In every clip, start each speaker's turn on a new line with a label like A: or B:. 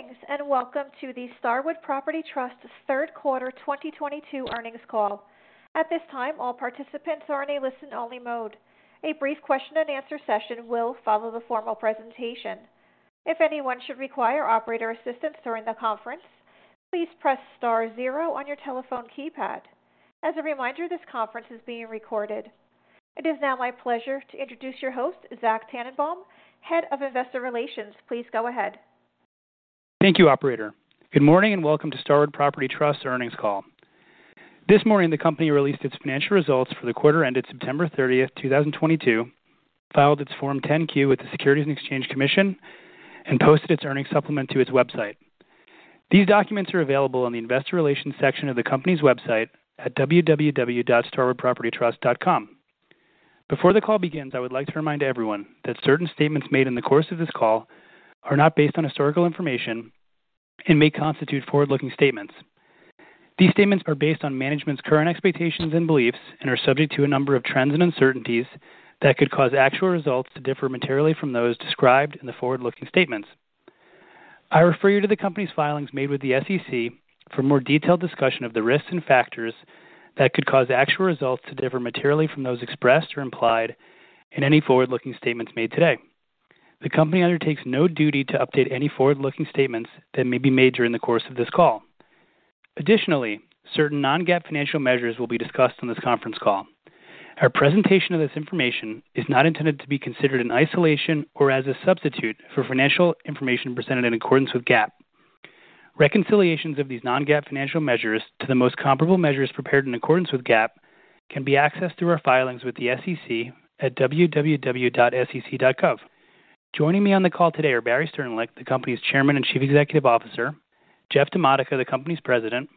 A: Greetings, and welcome to the Starwood Property Trust's third quarter 2022 earnings call. At this time, all participants are in a listen-only mode. A brief question-and-answer session will follow the formal presentation. If anyone should require operator assistance during the conference, please press star zero on your telephone keypad. As a reminder, this conference is being recorded. It is now my pleasure to introduce your host, Zach Tanenbaum, Head of Investor Relations. Please go ahead.
B: Thank you, operator. Good morning, and welcome to Starwood Property Trust's earnings call. This morning, the company released its financial results for the quarter ended September 30th, 2022, filed its Form 10-Q with the Securities and Exchange Commission, and posted its earnings supplement to its website. These documents are available on the investor relations section of the company's website at www.starwoodpropertytrust.com. Before the call begins, I would like to remind everyone that certain statements made in the course of this call are not based on historical information and may constitute forward-looking statements. These statements are based on management's current expectations and beliefs and are subject to a number of trends and uncertainties that could cause actual results to differ materially from those described in the forward-looking statements. I refer you to the company's filings made with the SEC for more detailed discussion of the risks and factors that could cause actual results to differ materially from those expressed or implied in any forward-looking statements made today. The Company undertakes no duty to update any forward-looking statements that may be made during the course of this call. Additionally, certain non-GAAP financial measures will be discussed on this conference call. Our presentation of this information is not intended to be considered in isolation or as a substitute for financial information presented in accordance with GAAP. Reconciliations of these non-GAAP financial measures to the most comparable measures prepared in accordance with GAAP can be accessed through our filings with the SEC at www.sec.gov. Joining me on the call today are Barry Sternlicht, the company's Chairman and Chief Executive Officer, Jeff DiModica, the company's President,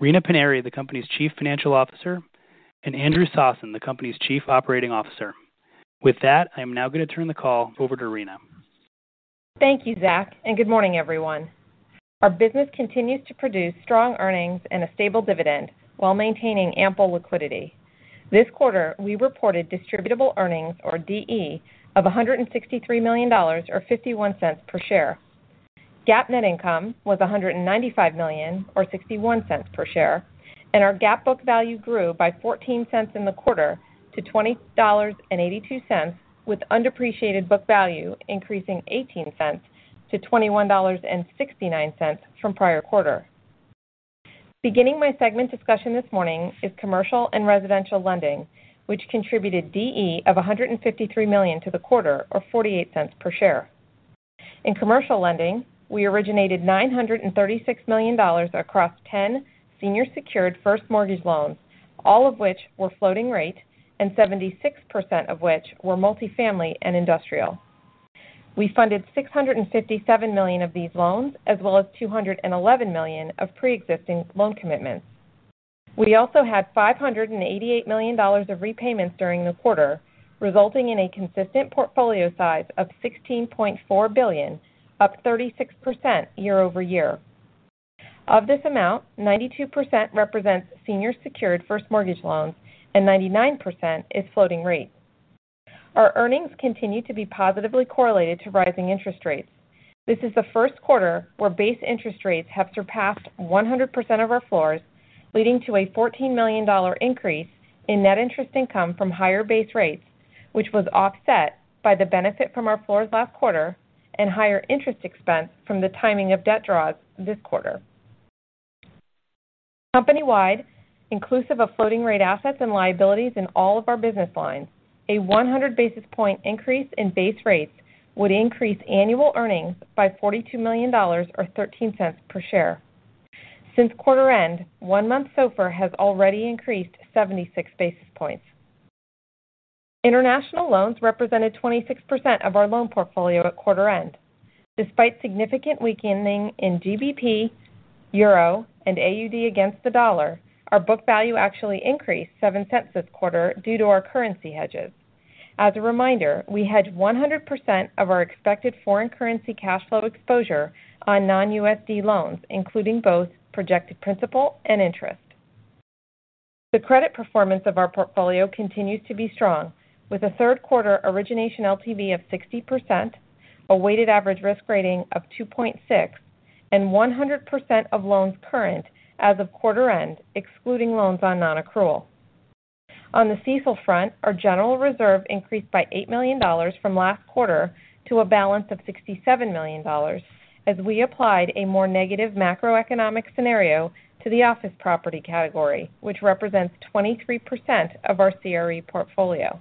B: Rina Paniry, the company's Chief Financial Officer, and Andrew Sossen, the company's Chief Operating Officer. With that, I am now gonna turn the call over to Rina.
C: Thank you, Zach, and good morning, everyone. Our business continues to produce strong earnings and a stable dividend while maintaining ample liquidity. This quarter, we reported distributable earnings, or DE, of $163 million, or $0.51 per share. GAAP net income was $195 million or $0.61 per share, and our GAAP book value grew by $0.14 in the quarter to $20.82, with undepreciated book value increasing $0.18 to $21.69 from prior quarter. Beginning my segment discussion this morning is commercial and residential lending, which contributed DE of $153 million to the quarter, or $0.48 per share. In commercial lending, we originated $936 million across 10 senior secured first mortgage loans, all of which were floating rate and 76% of which were multifamily and industrial. We funded $657 million of these loans, as well as $211 million of preexisting loan commitments. We also had $588 million of repayments during the quarter, resulting in a consistent portfolio size of $16.4 billion, up 36% year-over-year. Of this amount, 92% represents senior secured first mortgage loans and 99% is floating rate. Our earnings continue to be positively correlated to rising interest rates. This is the first quarter where base interest rates have surpassed 100% of our floors, leading to a $14 million increase in net interest income from higher base rates, which was offset by the benefit from our floors last quarter and higher interest expense from the timing of debt draws this quarter. Company-wide, inclusive of floating rate assets and liabilities in all of our business lines, a 100 basis point increase in base rates would increase annual earnings by $42 million or $0.13 per share. Since quarter end, one-month SOFR has already increased 76 basis points. International loans represented 26% of our loan portfolio at quarter end. Despite significant weakening in GBP, EUR, and AUD against the U.S. dollar, our book value actually increased $0.07 this quarter due to our currency hedges. As a reminder, we hedge 100% of our expected foreign currency cash flow exposure on non-USD loans, including both projected principal and interest. The credit performance of our portfolio continues to be strong, with a third quarter origination LTV of 60%, a weighted average risk rating of 2.6, and 100% of loans current as of quarter end, excluding loans on non-accrual. On the CECL front, our general reserve increased by $8 million from last quarter to a balance of $67 million as we applied a more negative macroeconomic scenario to the office property category, which represents 23% of our CRE portfolio.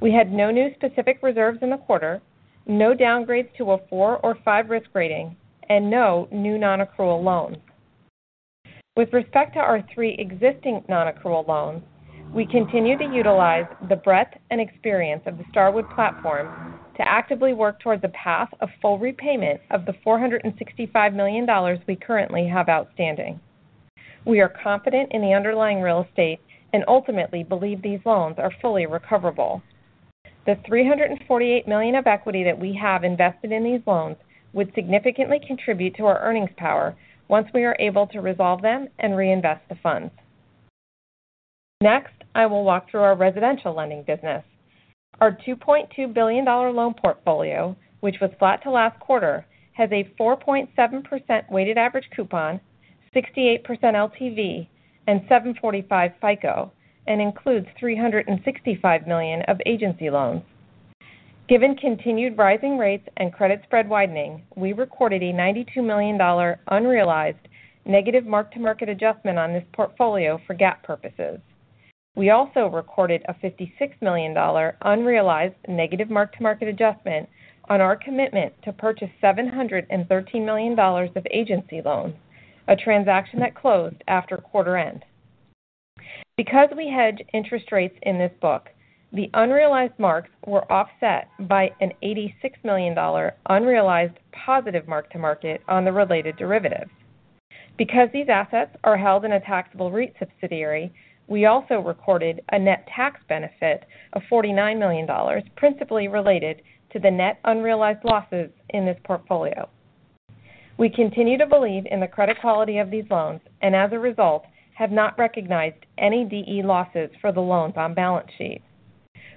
C: We had no new specific reserves in the quarter, no downgrades to a four or five risk rating, and no new non-accrual loans. With respect to our three existing non-accrual loans, we continue to utilize the breadth and experience of the Starwood platform to actively work towards a path of full repayment of the $465 million we currently have outstanding. We are confident in the underlying real estate and ultimately believe these loans are fully recoverable. The $348 million of equity that we have invested in these loans would significantly contribute to our earnings power once we are able to resolve them and reinvest the funds. Next, I will walk through our residential lending business. Our $2.2 billion loan portfolio, which was flat to last quarter, has a 4.7% weighted average coupon, 68% LTV and 745 FICO, and includes $365 million of agency loans. Given continued rising rates and credit spread widening, we recorded a $92 million unrealized negative mark-to-market adjustment on this portfolio for GAAP purposes. We also recorded a $56 million unrealized negative mark-to-market adjustment on our commitment to purchase $713 million of agency loans, a transaction that closed after quarter end. Because we hedge interest rates in this book, the unrealized marks were offset by an $86 million unrealized positive mark-to-market on the related derivative. Because these assets are held in a taxable REIT subsidiary, we also recorded a net tax benefit of $49 million, principally related to the net unrealized losses in this portfolio. We continue to believe in the credit quality of these loans and as a result, have not recognized any DE losses for the loans on balance sheet.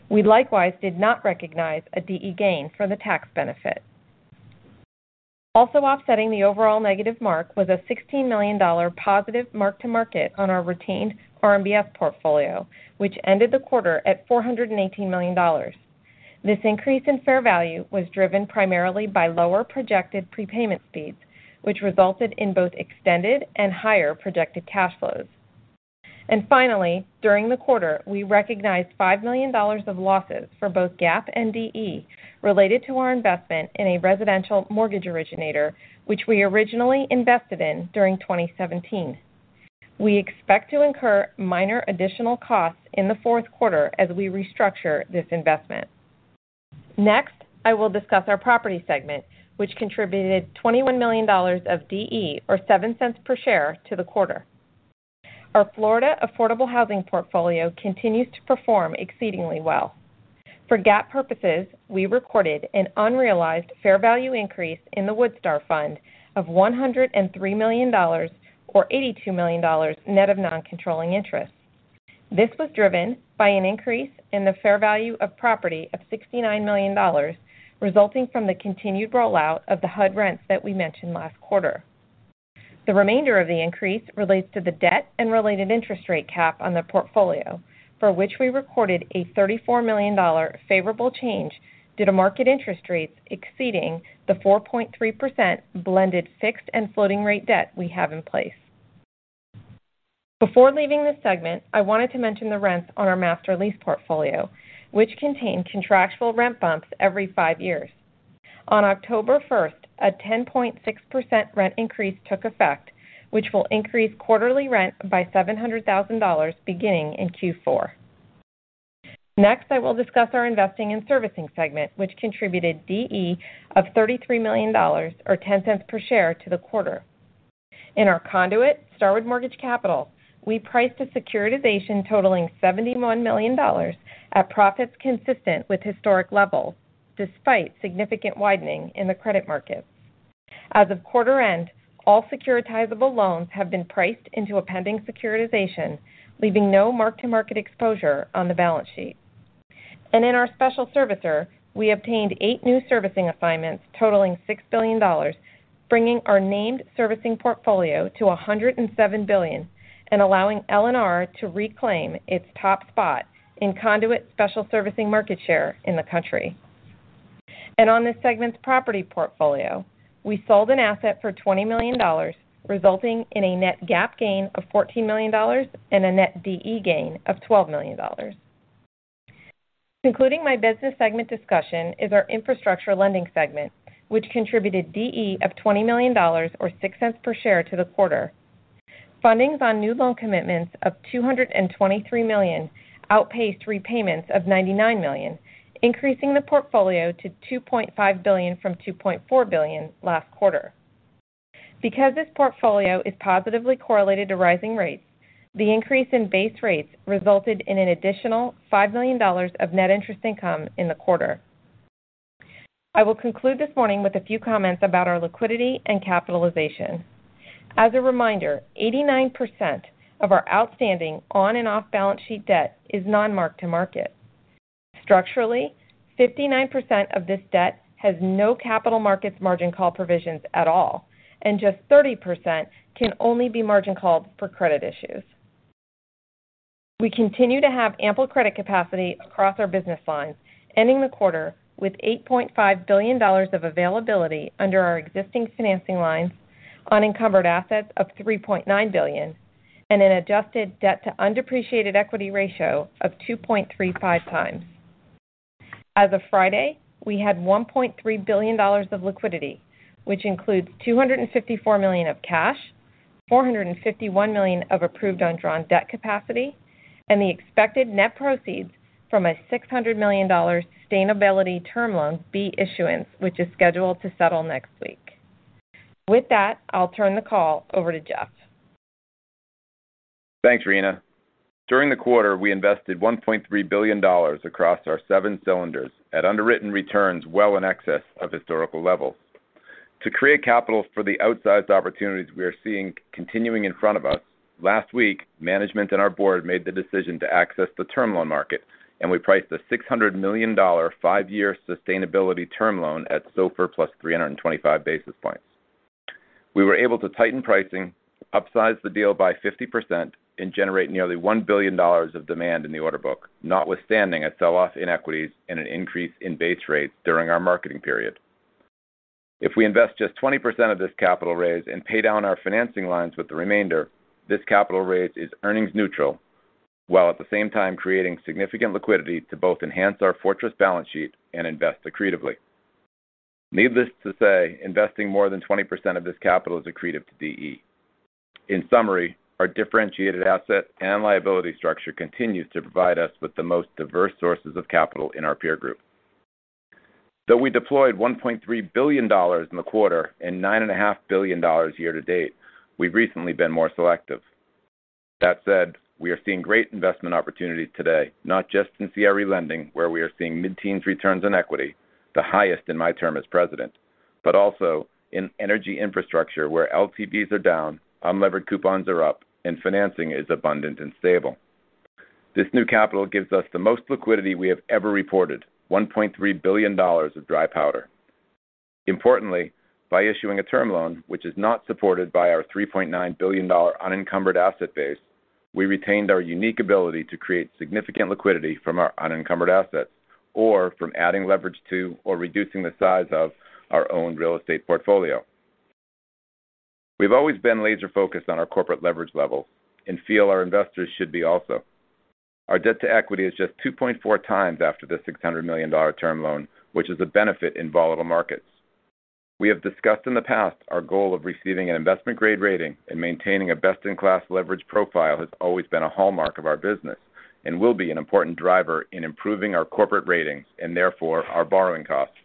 C: We likewise did not recognize a DE gain for the tax benefit. Also offsetting the overall negative mark was a $16 million positive mark-to-market on our retained RMBS portfolio, which ended the quarter at $418 million. This increase in fair value was driven primarily by lower projected prepayment speeds, which resulted in both extended and higher projected cash flows. Finally, during the quarter, we recognized $5 million of losses for both GAAP and DE related to our investment in a residential mortgage originator, which we originally invested in during 2017. We expect to incur minor additional costs in the fourth quarter as we restructure this investment. Next, I will discuss our property segment, which contributed $21 million of DE or $0.07 per share to the quarter. Our Florida affordable housing portfolio continues to perform exceedingly well. For GAAP purposes, we recorded an unrealized fair value increase in the Woodstar Fund of $103 million or $82 million net of non-controlling interest. This was driven by an increase in the fair value of property of $69 million resulting from the continued rollout of the HUD rents that we mentioned last quarter. The remainder of the increase relates to the debt and related interest rate cap on the portfolio, for which we recorded a $34 million favorable change due to market interest rates exceeding the 4.3% blended fixed and floating rate debt we have in place. Before leaving this segment, I wanted to mention the rents on our master lease portfolio, which contain contractual rent bumps every five years. On October 1st, a 10.6% rent increase took effect, which will increase quarterly rent by $700,000 beginning in Q4. Next, I will discuss our investing and servicing segment, which contributed DE of $33 million or $0.10 per share to the quarter. In our conduit, Starwood Mortgage Capital, we priced a securitization totaling $71 million at profits consistent with historic levels despite significant widening in the credit markets. As of quarter end, all securitizable loans have been priced into a pending securitization, leaving no mark-to-market exposure on the balance sheet. In our special servicer, we obtained eight new servicing assignments totaling $6 billion, bringing our named servicing portfolio to $107 billion and allowing LNR to reclaim its top spot in conduit special servicing market share in the country. On this segment's property portfolio, we sold an asset for $20 million, resulting in a net GAAP gain of $14 million and a net DE gain of $12 million. Concluding my business segment discussion is our infrastructure lending segment, which contributed DE of $20 million or $0.06 per share to the quarter. Fundings on new loan commitments of $223 million outpaced repayments of $99 million, increasing the portfolio to $2.5 billion from $2.4 billion last quarter. Because this portfolio is positively correlated to rising rates, the increase in base rates resulted in an additional $5 million of net interest income in the quarter. I will conclude this morning with a few comments about our liquidity and capitalization. As a reminder, 89% of our outstanding on and off-balance sheet debt is non-mark-to-market. Structurally, 59% of this debt has no capital markets margin call provisions at all, and just 30% can only be margin called for credit issues. We continue to have ample credit capacity across our business lines, ending the quarter with $8.5 billion of availability under our existing financing lines, unencumbered assets of $3.9 billion, and an adjusted debt-to-undepreciated equity ratio of 2.35x. As of Friday, we had $1.3 billion of liquidity, which includes $254 million of cash, $451 million of approved undrawn debt capacity, and the expected net proceeds from a $600 million sustainability term loan B issuance, which is scheduled to settle next week. With that, I'll turn the call over to Jeff.
D: Thanks, Rina. During the quarter, we invested $1.3 billion across our seven cylinders at underwritten returns well in excess of historical levels. To create capital for the outsized opportunities we are seeing continuing in front of us, last week, management and our board made the decision to access the term loan market, and we priced a $600 million five-year sustainability term loan at SOFR plus 325 basis points. We were able to tighten pricing, upsize the deal by 50% and generate nearly $1 billion of demand in the order book, notwithstanding a sell-off in equities and an increase in base rates during our marketing period. If we invest just 20% of this capital raise and pay down our financing lines with the remainder, this capital raise is earnings neutral, while at the same time creating significant liquidity to both enhance our fortress balance sheet and invest accretively. Needless to say, investing more than 20% of this capital is accretive to DE. In summary, our differentiated asset and liability structure continues to provide us with the most diverse sources of capital in our peer group. Though we deployed $1.3 billion in the quarter and $9.5 billion year to date, we've recently been more selective. That said, we are seeing great investment opportunities today, not just in CRE lending, where we are seeing mid-teens returns on equity, the highest in my term as president, but also in energy infrastructure where LTVs are down, unlevered coupons are up, and financing is abundant and stable. This new capital gives us the most liquidity we have ever reported, $1.3 billion of dry powder. Importantly, by issuing a term loan which is not supported by our $3.9 billion unencumbered asset base, we retained our unique ability to create significant liquidity from our unencumbered assets or from adding leverage to or reducing the size of our own real estate portfolio. We've always been laser-focused on our corporate leverage level and feel our investors should be also. Our debt-to-equity is just 2.4x after the $600 million term loan, which is a benefit in volatile markets. We have discussed in the past our goal of receiving an investment-grade rating and maintaining a best-in-class leverage profile has always been a hallmark of our business and will be an important driver in improving our corporate ratings and therefore our borrowing costs.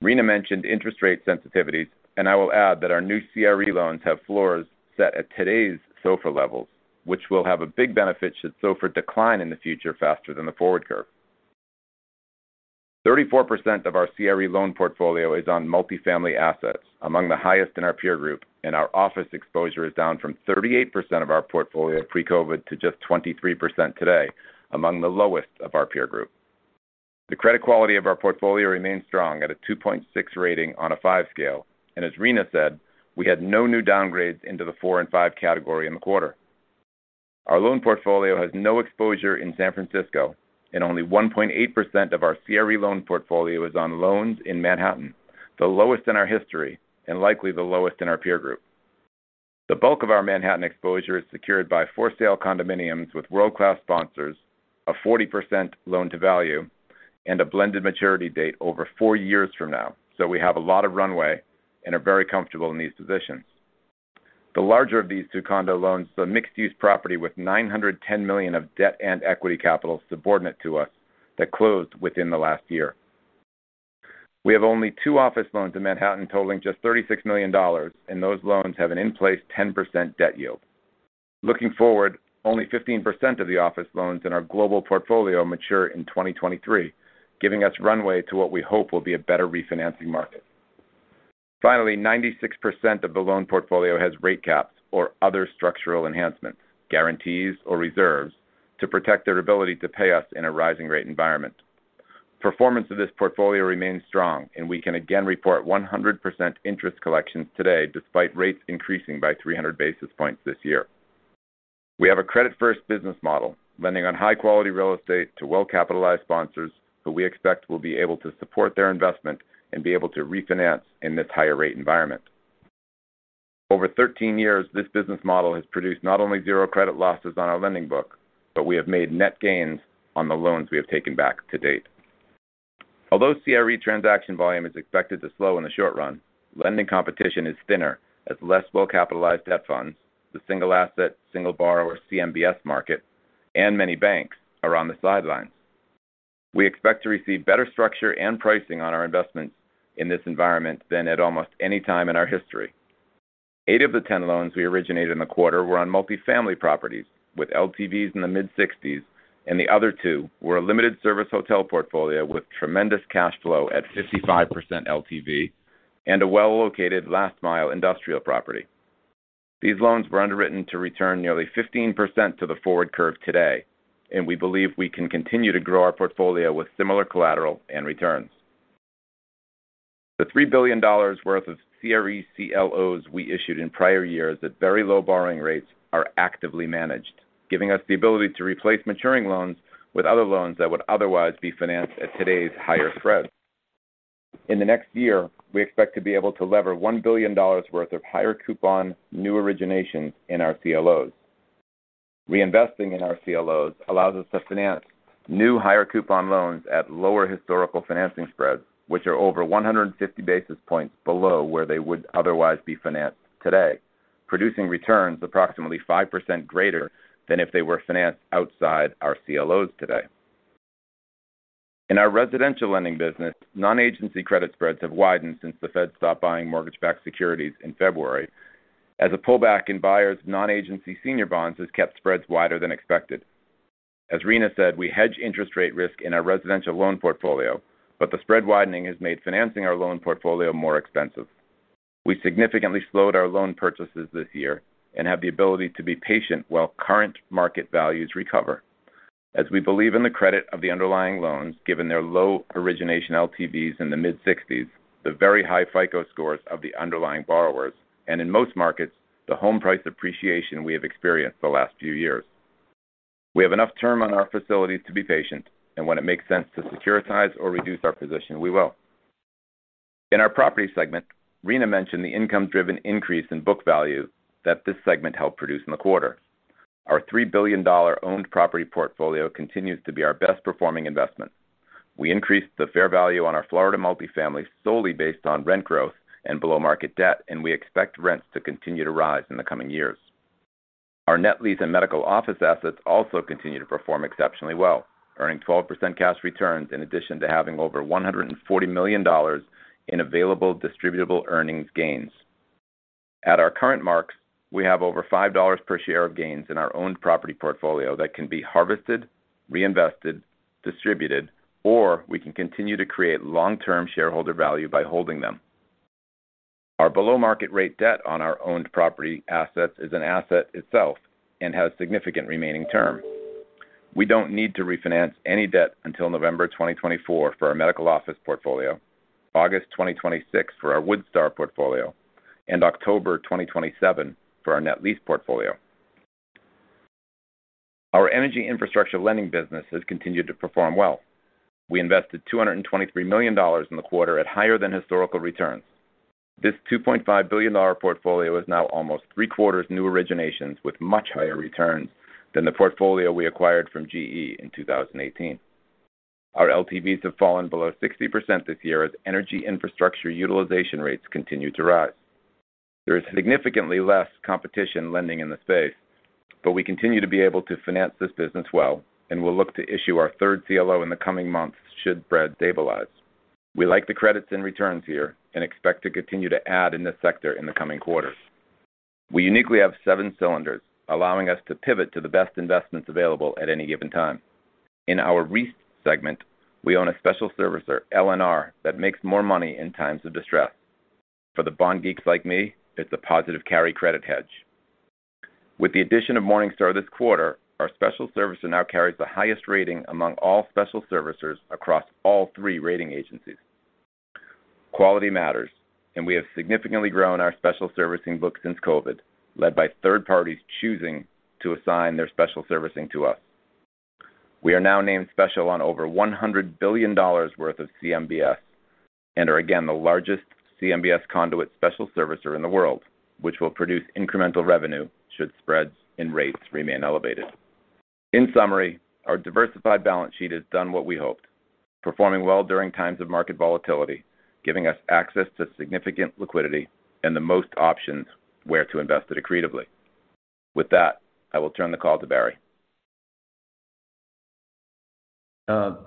D: Rina mentioned interest rate sensitivities, and I will add that our new CRE loans have floors set at today's SOFR levels, which will have a big benefit should SOFR decline in the future faster than the forward curve. 34% of our CRE loan portfolio is on multifamily assets, among the highest in our peer group, and our office exposure is down from 38% of our portfolio pre-COVID to just 23% today, among the lowest of our peer group. The credit quality of our portfolio remains strong at a 2.6 rating on a five scale, and as Rina said, we had no new downgrades into the four and five category in the quarter. Our loan portfolio has no exposure in San Francisco and only 1.8% of our CRE loan portfolio is on loans in Manhattan, the lowest in our history and likely the lowest in our peer group. The bulk of our Manhattan exposure is secured by for-sale condominiums with world-class sponsors, a 40% loan-to-value and a blended maturity date over four years from now. We have a lot of runway and are very comfortable in these positions. The larger of these two condo loans is a mixed-use property with $910 million of debt and equity capital subordinate to us that closed within the last year. We have only two office loans in Manhattan totaling just $36 million, and those loans have an in-place 10% debt yield. Looking forward, only 15% of the office loans in our global portfolio mature in 2023, giving us runway to what we hope will be a better refinancing market. Finally, 96% of the loan portfolio has rate caps or other structural enhancements, guarantees or reserves to protect their ability to pay us in a rising rate environment. Performance of this portfolio remains strong and we can again report 100% interest collections today despite rates increasing by 300 basis points this year. We have a credit-first business model lending on high-quality real estate to well-capitalized sponsors who we expect will be able to support their investment and be able to refinance in this higher rate environment. Over 13 years, this business model has produced not only zero credit losses on our lending book, but we have made net gains on the loans we have taken back to date. Although CRE transaction volume is expected to slow in the short run, lending competition is thinner as less well-capitalized hedge funds, the single-asset, single-borrower CMBS market and many banks are on the sidelines. We expect to receive better structure and pricing on our investments in this environment than at almost any time in our history. eight of the 10 loans we originated in the quarter were on multifamily properties with LTVs in the mid-60s and the other two were a limited service hotel portfolio with tremendous cash flow at 55% LTV and a well-located last mile industrial property. These loans were underwritten to return nearly 15% to the forward curve today, and we believe we can continue to grow our portfolio with similar collateral and returns. The $3 billion worth of CRE CLOs we issued in prior years at very low borrowing rates are actively managed, giving us the ability to replace maturing loans with other loans that would otherwise be financed at today's higher spreads. In the next year, we expect to be able to lever $1 billion worth of higher coupon new originations in our CLOs. Reinvesting in our CLOs allows us to finance new higher coupon loans at lower historical financing spreads, which are over 150 basis points below where they would otherwise be financed today, producing returns approximately 5% greater than if they were financed outside our CLOs today. In our residential lending business, non-agency credit spreads have widened since the Fed stopped buying mortgage-backed securities in February, as a pullback in buyers' non-agency senior bonds has kept spreads wider than expected. As Rina said, we hedge interest rate risk in our residential loan portfolio, but the spread widening has made financing our loan portfolio more expensive. We significantly slowed our loan purchases this year and have the ability to be patient while current market values recover. As we believe in the credit of the underlying loans, given their low origination LTVs in the mid-sixties, the very high FICO scores of the underlying borrowers, and in most markets, the home price appreciation we have experienced the last few years. We have enough term on our facilities to be patient, and when it makes sense to securitize or reduce our position, we will. In our property segment, Rina mentioned the income-driven increase in book value that this segment helped produce in the quarter. Our $3 billion owned property portfolio continues to be our best-performing investment. We increased the fair value on our Florida multifamily solely based on rent growth and below-market debt, and we expect rents to continue to rise in the coming years. Our net lease and medical office assets also continue to perform exceptionally well, earning 12% cash returns in addition to having over $140 million in available distributable earnings gains. At our current marks, we have over $5 per share of gains in our owned property portfolio that can be harvested, reinvested, distributed, or we can continue to create long-term shareholder value by holding them. Our below-market rate debt on our owned property assets is an asset itself and has significant remaining term. We don't need to refinance any debt until November 2024 for our medical office portfolio, August 2026 for our Woodstar portfolio, and October 2027 for our net lease portfolio. Our energy infrastructure lending business has continued to perform well. We invested $223 million in the quarter at higher than historical returns. This $2.5 billion portfolio is now almost three-quarters new originations with much higher returns than the portfolio we acquired from GE in 2018. Our LTVs have fallen below 60% this year as energy infrastructure utilization rates continue to rise. There is significantly less competition lending in the space, but we continue to be able to finance this business well and will look to issue our third CLO in the coming months should spread stabilize. We like the credits and returns here and expect to continue to add in this sector in the coming quarters. We uniquely have seven cylinders, allowing us to pivot to the best investments available at any given time. In our REIT segment, we own a special servicer, LNR, that makes more money in times of distress. For the bond geeks like me, it's a positive carry credit hedge. With the addition of Morningstar this quarter, our special servicer now carries the highest rating among all special servicers across all three rating agencies. Quality matters, and we have significantly grown our special servicing book since COVID, led by third parties choosing to assign their special servicing to us. We are now named special on over $100 billion worth of CMBS and are again the largest CMBS conduit special servicer in the world, which will produce incremental revenue should spreads and rates remain elevated. In summary, our diversified balance sheet has done what we hoped, performing well during times of market volatility, giving us access to significant liquidity and the most options where to invest it accretively. With that, I will turn the call to Barry.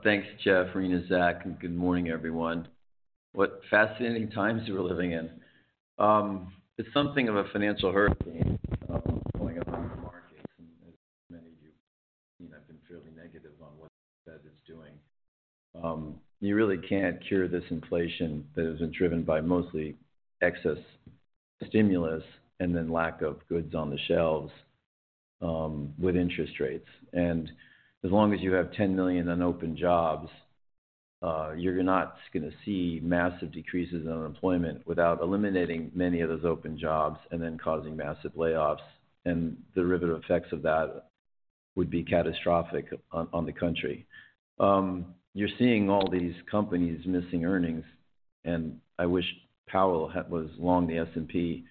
E: Thanks, Jeff, Rina, Zach, and good morning, everyone. What fascinating times we're living in. It's something of a financial hurricane going on in the markets. As many of you know, I've been fairly negative on what the Fed is doing. You really can't cure this inflation that has been driven by mostly excess stimulus and then lack of goods on the shelves with interest rates. As long as you have 10 million unopened jobs, you're not gonna see massive decreases in unemployment without eliminating many of those open jobs and then causing massive layoffs. The derivative effects of that would be catastrophic on the country. You're seeing all these companies missing earnings, and I wish Powell was long the S&P.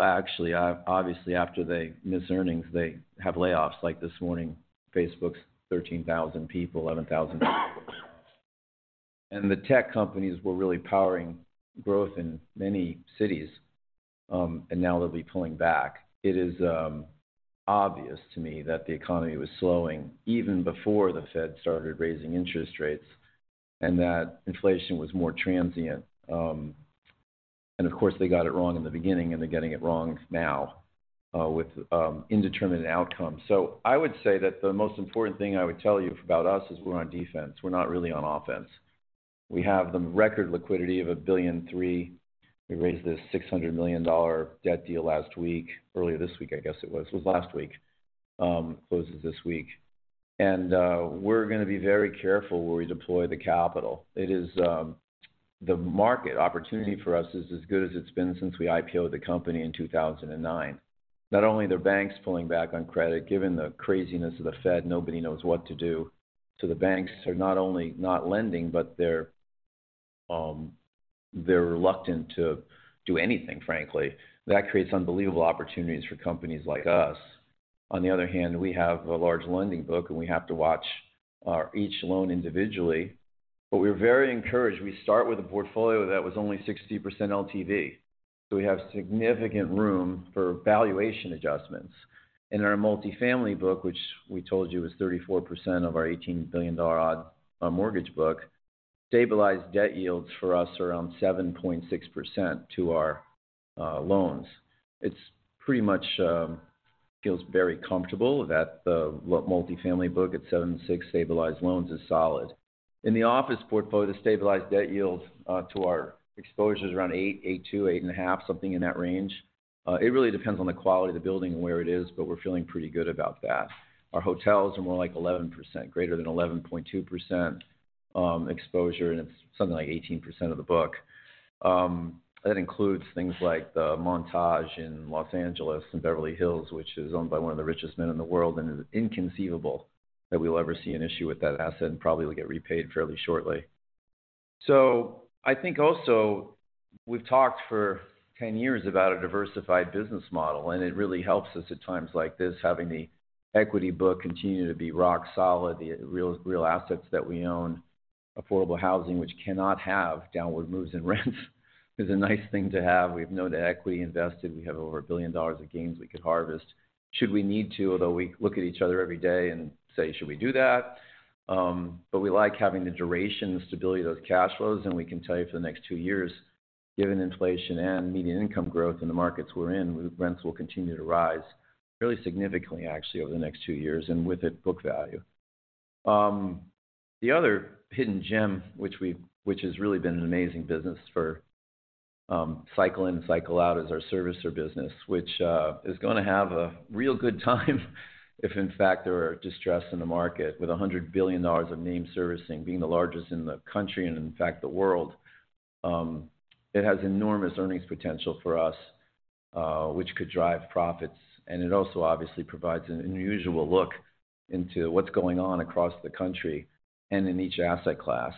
E: Actually, obviously, after they miss earnings, they have layoffs. Like this morning, Facebook's 13,000 people, 11,000 jobs. The tech companies were really powering growth in many cities, and now they'll be pulling back. It is obvious to me that the economy was slowing even before the Fed started raising interest rates and that inflation was more transient. Of course, they got it wrong in the beginning, and they're getting it wrong now, with indeterminate outcomes. I would say that the most important thing I would tell you about us is we're on defense. We're not really on offense. We have the record liquidity of $1.3 billion. We raised this $600 million debt deal last week. It closes this week. We're gonna be very careful where we deploy the capital. It is the market opportunity for us is as good as it's been since we IPO'd the company in 2009. Not only are banks pulling back on credit, given the craziness of the Fed, nobody knows what to do. The banks are not only not lending, but they're reluctant to do anything, frankly. That creates unbelievable opportunities for companies like us. On the other hand, we have a large lending book, and we have to watch each loan individually. We're very encouraged. We start with a portfolio that was only 60% LTV, so we have significant room for valuation adjustments. In our multifamily book, which we told you was 34% of our $18 billion-odd mortgage book. Stabilized debt yields for us around 7.6% to our loans. It's pretty much feels very comfortable that the multifamily book at 7.6 stabilized loans is solid. In the office portfolio, the stabilized debt yields to our exposure is around 8.2, 8.5, something in that range. It really depends on the quality of the building and where it is, but we're feeling pretty good about that. Our hotels are more like 11%, greater than 11.2%, exposure, and it's something like 18% of the book. That includes things like the Montage Beverly Hills, which is owned by one of the richest men in the world, and it is inconceivable that we will ever see an issue with that asset, and probably will get repaid fairly shortly. I think also we've talked for 10 years about a diversified business model, and it really helps us at times like this, having the equity book continue to be rock solid. The real assets that we own, affordable housing, which cannot have downward moves in rents is a nice thing to have. We have no equity invested. We have over $1 billion of gains we could harvest should we need to, although we look at each other every day and say, "Should we do that?" We like having the duration and stability of those cash flows, and we can tell you for the next two years, given inflation and median income growth in the markets we're in, rents will continue to rise fairly significantly actually over the next two years, and with it, book value. The other hidden gem, which has really been an amazing business for cycle in and cycle out, is our servicer business, which is gonna have a real good time if in fact there are distress in the market. With $100 billion of non-agency servicing, being the largest in the country and in fact the world, it has enormous earnings potential for us, which could drive profits. It also obviously provides an unusual look into what's going on across the country and in each asset class.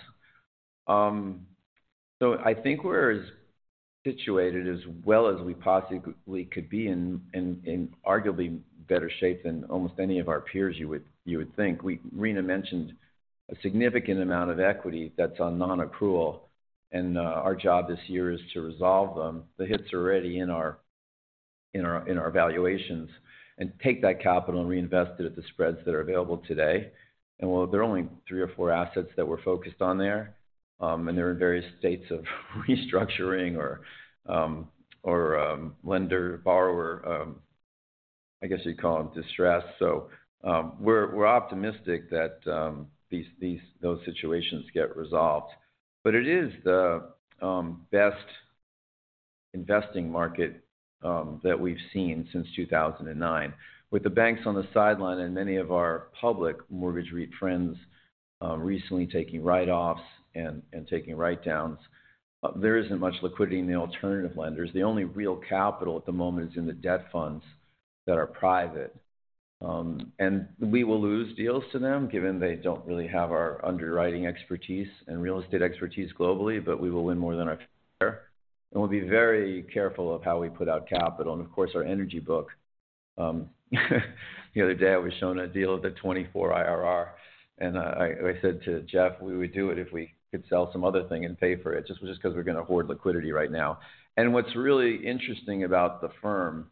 E: I think we're as situated as well as we possibly could be, in arguably better shape than almost any of our peers you would think. Rina mentioned a significant amount of equity that's on non-accrual, and our job this year is to resolve them. The hits are already in our valuations, and take that capital and reinvest it at the spreads that are available today. While there are only three or four assets that we're focused on there, and they're in various states of restructuring or lender-borrower, I guess you'd call them distressed. We're optimistic that those situations get resolved. It is the best investing market that we've seen since 2009. With the banks on the sideline and many of our public mortgage REIT friends recently taking write-offs and taking write-downs, there isn't much liquidity in the alternative lenders. The only real capital at the moment is in the debt funds that are private. We will lose deals to them given they don't really have our underwriting expertise and real estate expertise globally, but we will win more than our fair share. We'll be very careful of how we put out capital. Of course, our energy book, the other day, I was shown a deal with a 24 IRR, and I said to Jeff, we would do it if we could sell some other thing and pay for it just 'cause we're gonna hoard liquidity right now. What's really interesting about the firm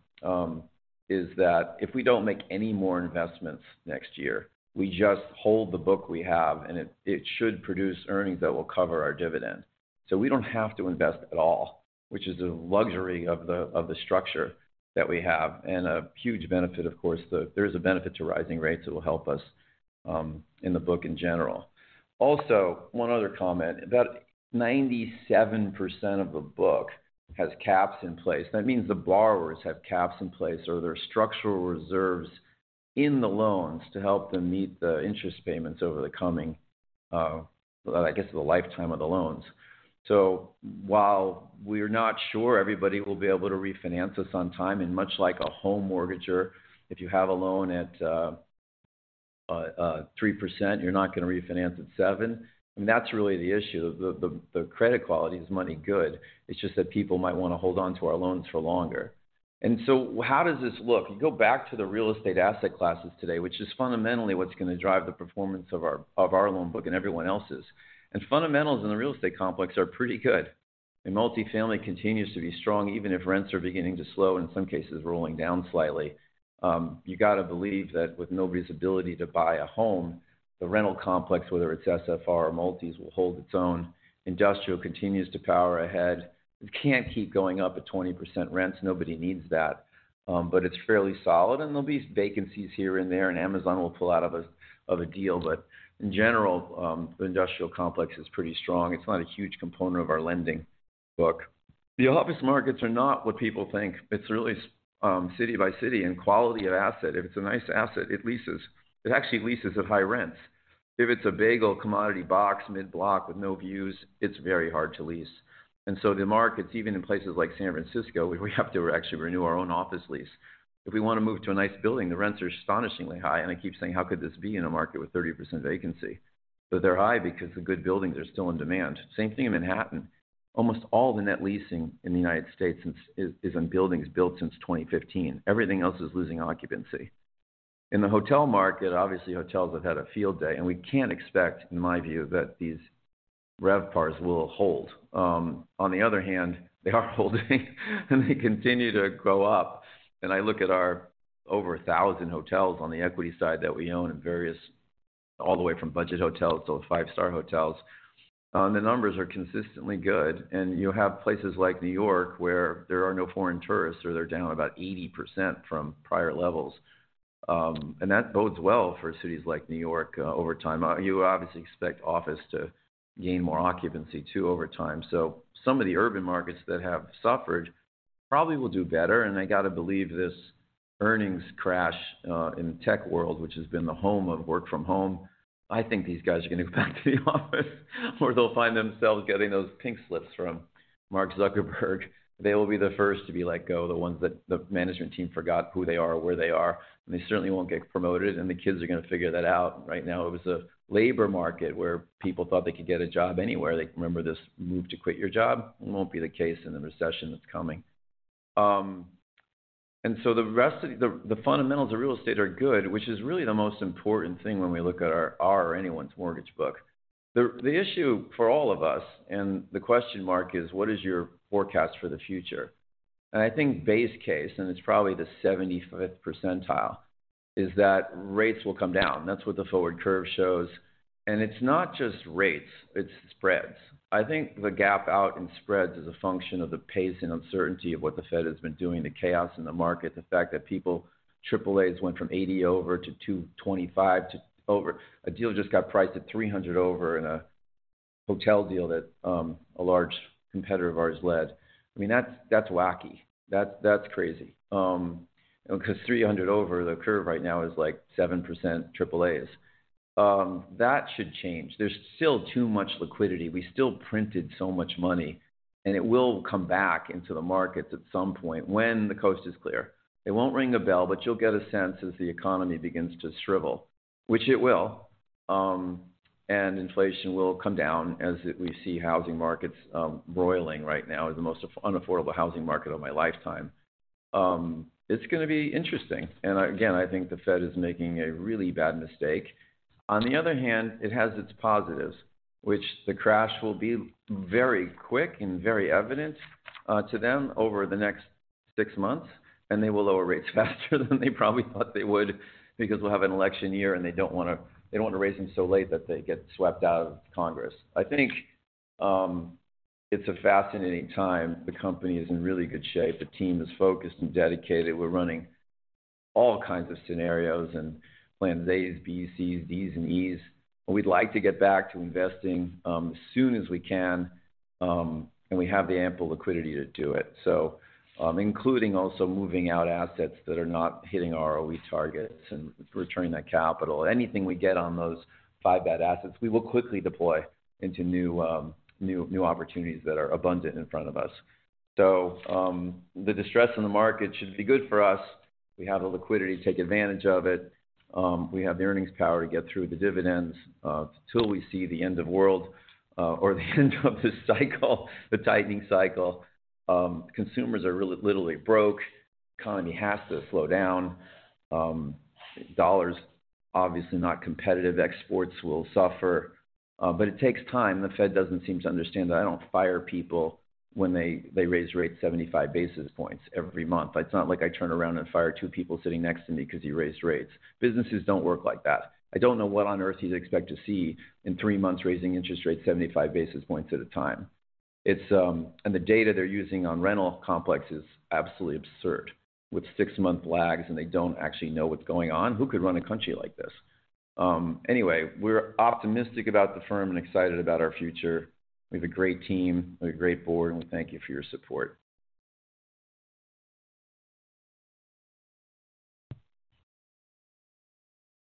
E: is that if we don't make any more investments next year, we just hold the book we have, and it should produce earnings that will cover our dividend. We don't have to invest at all, which is a luxury of the structure that we have and a huge benefit of course. There is a benefit to rising rates that will help us in the book in general. Also, one other comment, about 97% of the book has caps in place. That means the borrowers have caps in place or there are structural reserves in the loans to help them meet the interest payments over the coming, I guess the lifetime of the loans. While we're not sure everybody will be able to refinance this on time, and much like a home mortgage, if you have a loan at 3%, you're not gonna refinance at 7. I mean, that's really the issue. The credit quality is money good. It's just that people might wanna hold on to our loans for longer. So how does this look? You go back to the real estate asset classes today, which is fundamentally what's gonna drive the performance of our loan book and everyone else's. Fundamentals in the real estate complex are pretty good. Multifamily continues to be strong even if rents are beginning to slow and in some cases rolling down slightly. You gotta believe that with nobody's ability to buy a home, the rental complex, whether it's SFR or multis will hold its own. Industrial continues to power ahead. It can't keep going up at 20% rents. Nobody needs that. It's fairly solid. There'll be vacancies here and there, and Amazon will pull out of a deal. In general, the industrial complex is pretty strong. It's not a huge component of our lending book. The office markets are not what people think. It's really city by city and quality of asset. If it's a nice asset, it leases. It actually leases at high rents. If it's a beige commodity box, mid-block with no views, it's very hard to lease. The markets, even in places like San Francisco, we have to actually renew our own office lease. If we wanna move to a nice building, the rents are astonishingly high. I keep saying, how could this be in a market with 30% vacancy? They're high because the good buildings are still in demand. Same thing in Manhattan. Almost all the net leasing in the United States is on buildings built since 2015. Everything else is losing occupancy. In the hotel market, obviously hotels have had a field day, and we can't expect, in my view, that these RevPARs will hold. On the other hand, they are holding and they continue to go up. I look at our over 1,000 hotels on the equity side that we own in various all the way from budget hotels to five-star hotels. The numbers are consistently good, and you have places like New York where there are no foreign tourists, or they're down about 80% from prior levels. That bodes well for cities like New York over time. You obviously expect office to gain more occupancy too over time. Some of the urban markets that have suffered probably will do better. I gotta believe this earnings crash in the tech world, which has been the home of work from home. I think these guys are gonna go back to the office or they'll find themselves getting those pink slips from Mark Zuckerberg. They will be the first to be let go, the ones that the management team forgot who they are, where they are, and they certainly won't get promoted, and the kids are gonna figure that out. Right now, it was a labor market where people thought they could get a job anywhere. They remember this move to quit your job. It won't be the case in the recession that's coming. And so the rest of the fundamentals of real estate are good, which is really the most important thing when we look at our or anyone's mortgage book. The issue for all of us, and the question mark is: What is your forecast for the future? I think base case, and it's probably the 75th percentile, is that rates will come down. That's what the forward curve shows. It's not just rates, it's spreads. I think the gap out in spreads is a function of the pace and uncertainty of what the Fed has been doing, the chaos in the market, the fact that people, AAA went from 80 over to 225 over. A deal just got priced at 300 over in a hotel deal that a large competitor of ours led. I mean, that's wacky. That's crazy. You know, 'cause 300 over the curve right now is, like, 7% AAA. That should change. There's still too much liquidity. We still printed so much money, and it will come back into the markets at some point when the coast is clear. It won't ring a bell, but you'll get a sense as the economy begins to shrivel, which it will, and inflation will come down as we see housing markets roiling right now as the most unaffordable housing market of my lifetime. It's gonna be interesting. I think the Fed is making a really bad mistake. On the other hand, it has its positives, which the crash will be very quick and very evident to them over the next six months, and they will lower rates faster than they probably thought they would because we'll have an election year, and they don't wanna raise them so late that they get swept out of Congress. I think it's a fascinating time. The company is in really good shape. The team is focused and dedicated. We're running all kinds of scenarios and plans A, B, C, D, and E. We'd like to get back to investing as soon as we can, and we have ample liquidity to do it, including also moving out assets that are not hitting our ROE targets and returning that capital. Anything we get on those five bad assets, we will quickly deploy into new opportunities that are abundant in front of us. The distress in the market should be good for us. We have the liquidity to take advantage of it. We have the earnings power to get through the dividends till we see the end of world or the end of this cycle the tightening cycle. Consumers are literally broke. Economy has to slow down. Dollar's obviously not competitive. Exports will suffer. It takes time. The Fed doesn't seem to understand that I don't fire people when they raise rates seventy-five basis points every month. It's not like I turn around and fire two people sitting next to me because you raised rates. Businesses don't work like that. I don't know what on earth you'd expect to see in three months, raising interest rates seventy-five basis points at a time. It's. The data they're using on rental complex is absolutely absurd. With six-month lags, and they don't actually know what's going on. Who could run a country like this? Anyway, we're optimistic about the firm and excited about our future. We have a great team and a great board, and we thank you for your support.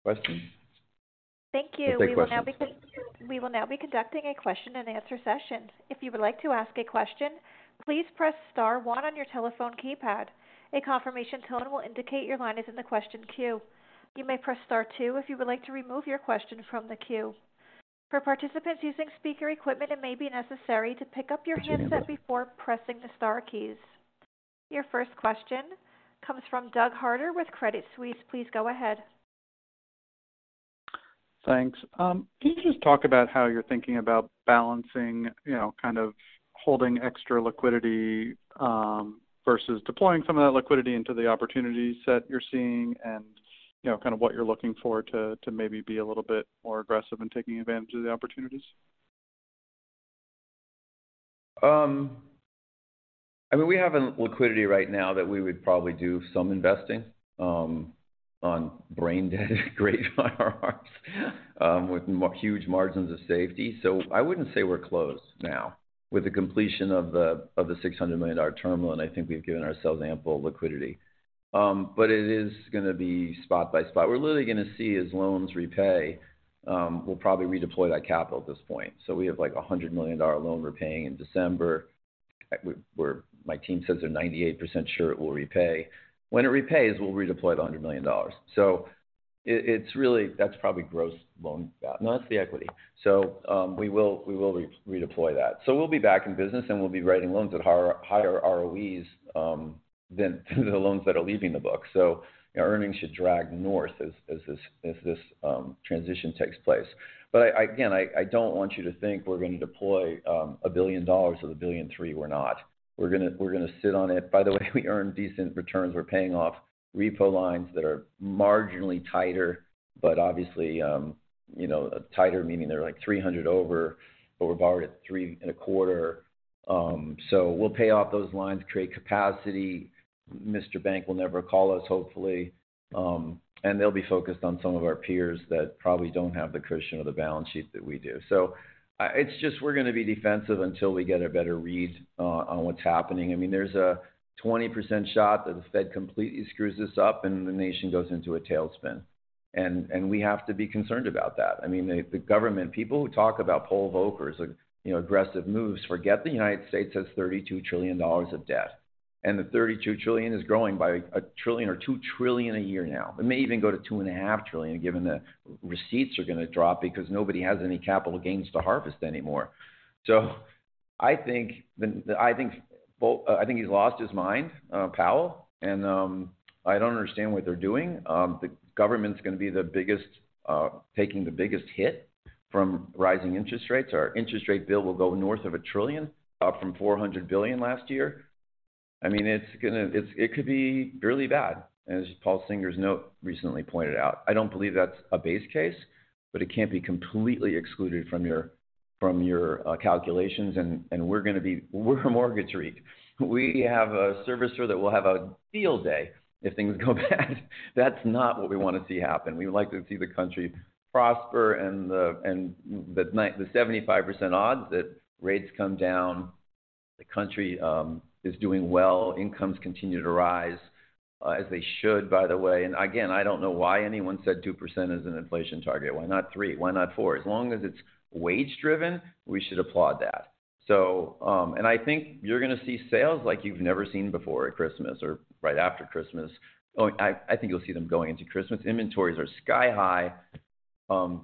E: Questions.
A: Thank you.
E: We'll take questions.
A: We will now be conducting a question and answer session. If you would like to ask a question, please press star one on your telephone keypad. A confirmation tone will indicate your line is in the question queue. You may press star two if you would like to remove your question from the queue. For participants using speaker equipment, it may be necessary to pick up your handset.
E: Appreciate it.
A: before pressing the star keys. Your first question comes from Doug Harter with Credit Suisse. Please go ahead.
F: Thanks. Can you just talk about how you're thinking about balancing, you know, kind of holding extra liquidity versus deploying some of that liquidity into the opportunities that you're seeing and, you know, kind of what you're looking for to maybe be a little bit more aggressive in taking advantage of the opportunities?
E: I mean, we have liquidity right now that we would probably do some investing on bridge debt, great higher ARCs with huge margins of safety. I wouldn't say we're closed now. With the completion of the $600 million term loan, I think we've given ourselves ample liquidity. It is gonna be spot by spot. We're literally gonna see as loans repay, we'll probably redeploy that capital at this point. We have, like, a $100 million loan repaying in December. My team says they're 98% sure it will repay. When it repays, we'll redeploy the $100 million. It, it's really. That's probably gross loan value. No, that's the equity. We will redeploy that. We'll be back in business, and we'll be writing loans at higher ROEs than the loans that are leaving the book. Earnings should drag north as this transition takes place. I again don't want you to think we're gonna deploy $1 billion of the $1.3 billion. We're not. We're gonna sit on it. By the way, we earn decent returns. We're paying off repo lines that are marginally tighter. But obviously, tighter meaning they're like 300 over, but we're borrowed at 3.25. We'll pay off those lines, create capacity. The bank will never call us, hopefully. They'll be focused on some of our peers that probably don't have the cushion of the balance sheet that we do. It's just we're gonna be defensive until we get a better read on what's happening. I mean, there's a 20% shot that the Fed completely screws this up, and the nation goes into a tailspin. We have to be concerned about that. I mean, People who talk about Paul Volcker's, you know, aggressive moves, forget the United States has $32 trillion of debt. The $32 trillion is growing by $1 trillion or $2 trillion a year now. It may even go to $2.5 trillion, given the receipts are gonna drop because nobody has any capital gains to harvest anymore. I think he's lost his mind, Powell, and I don't understand what they're doing. The government's gonna be the biggest taking the biggest hit from rising interest rates. Our interest rate bill will go north of $1 trillion, up from $400 billion last year. I mean, it's gonna. It could be really bad, as Paul Singer's note recently pointed out. I don't believe that's a base case, but it can't be completely excluded from your calculations. We're a mortgage REIT. We have a servicer that will have a field day if things go bad. That's not what we wanna see happen. We would like to see the country prosper in the 75% odds that rates come down. The country is doing well. Incomes continue to rise as they should, by the way. I don't know why anyone said 2% is an inflation target. Why not 3%? Why not 4%? As long as it's wage-driven, we should applaud that. I think you're gonna see sales like you've never seen before at Christmas or right after Christmas. Or I think you'll see them going into Christmas. Inventories are sky high.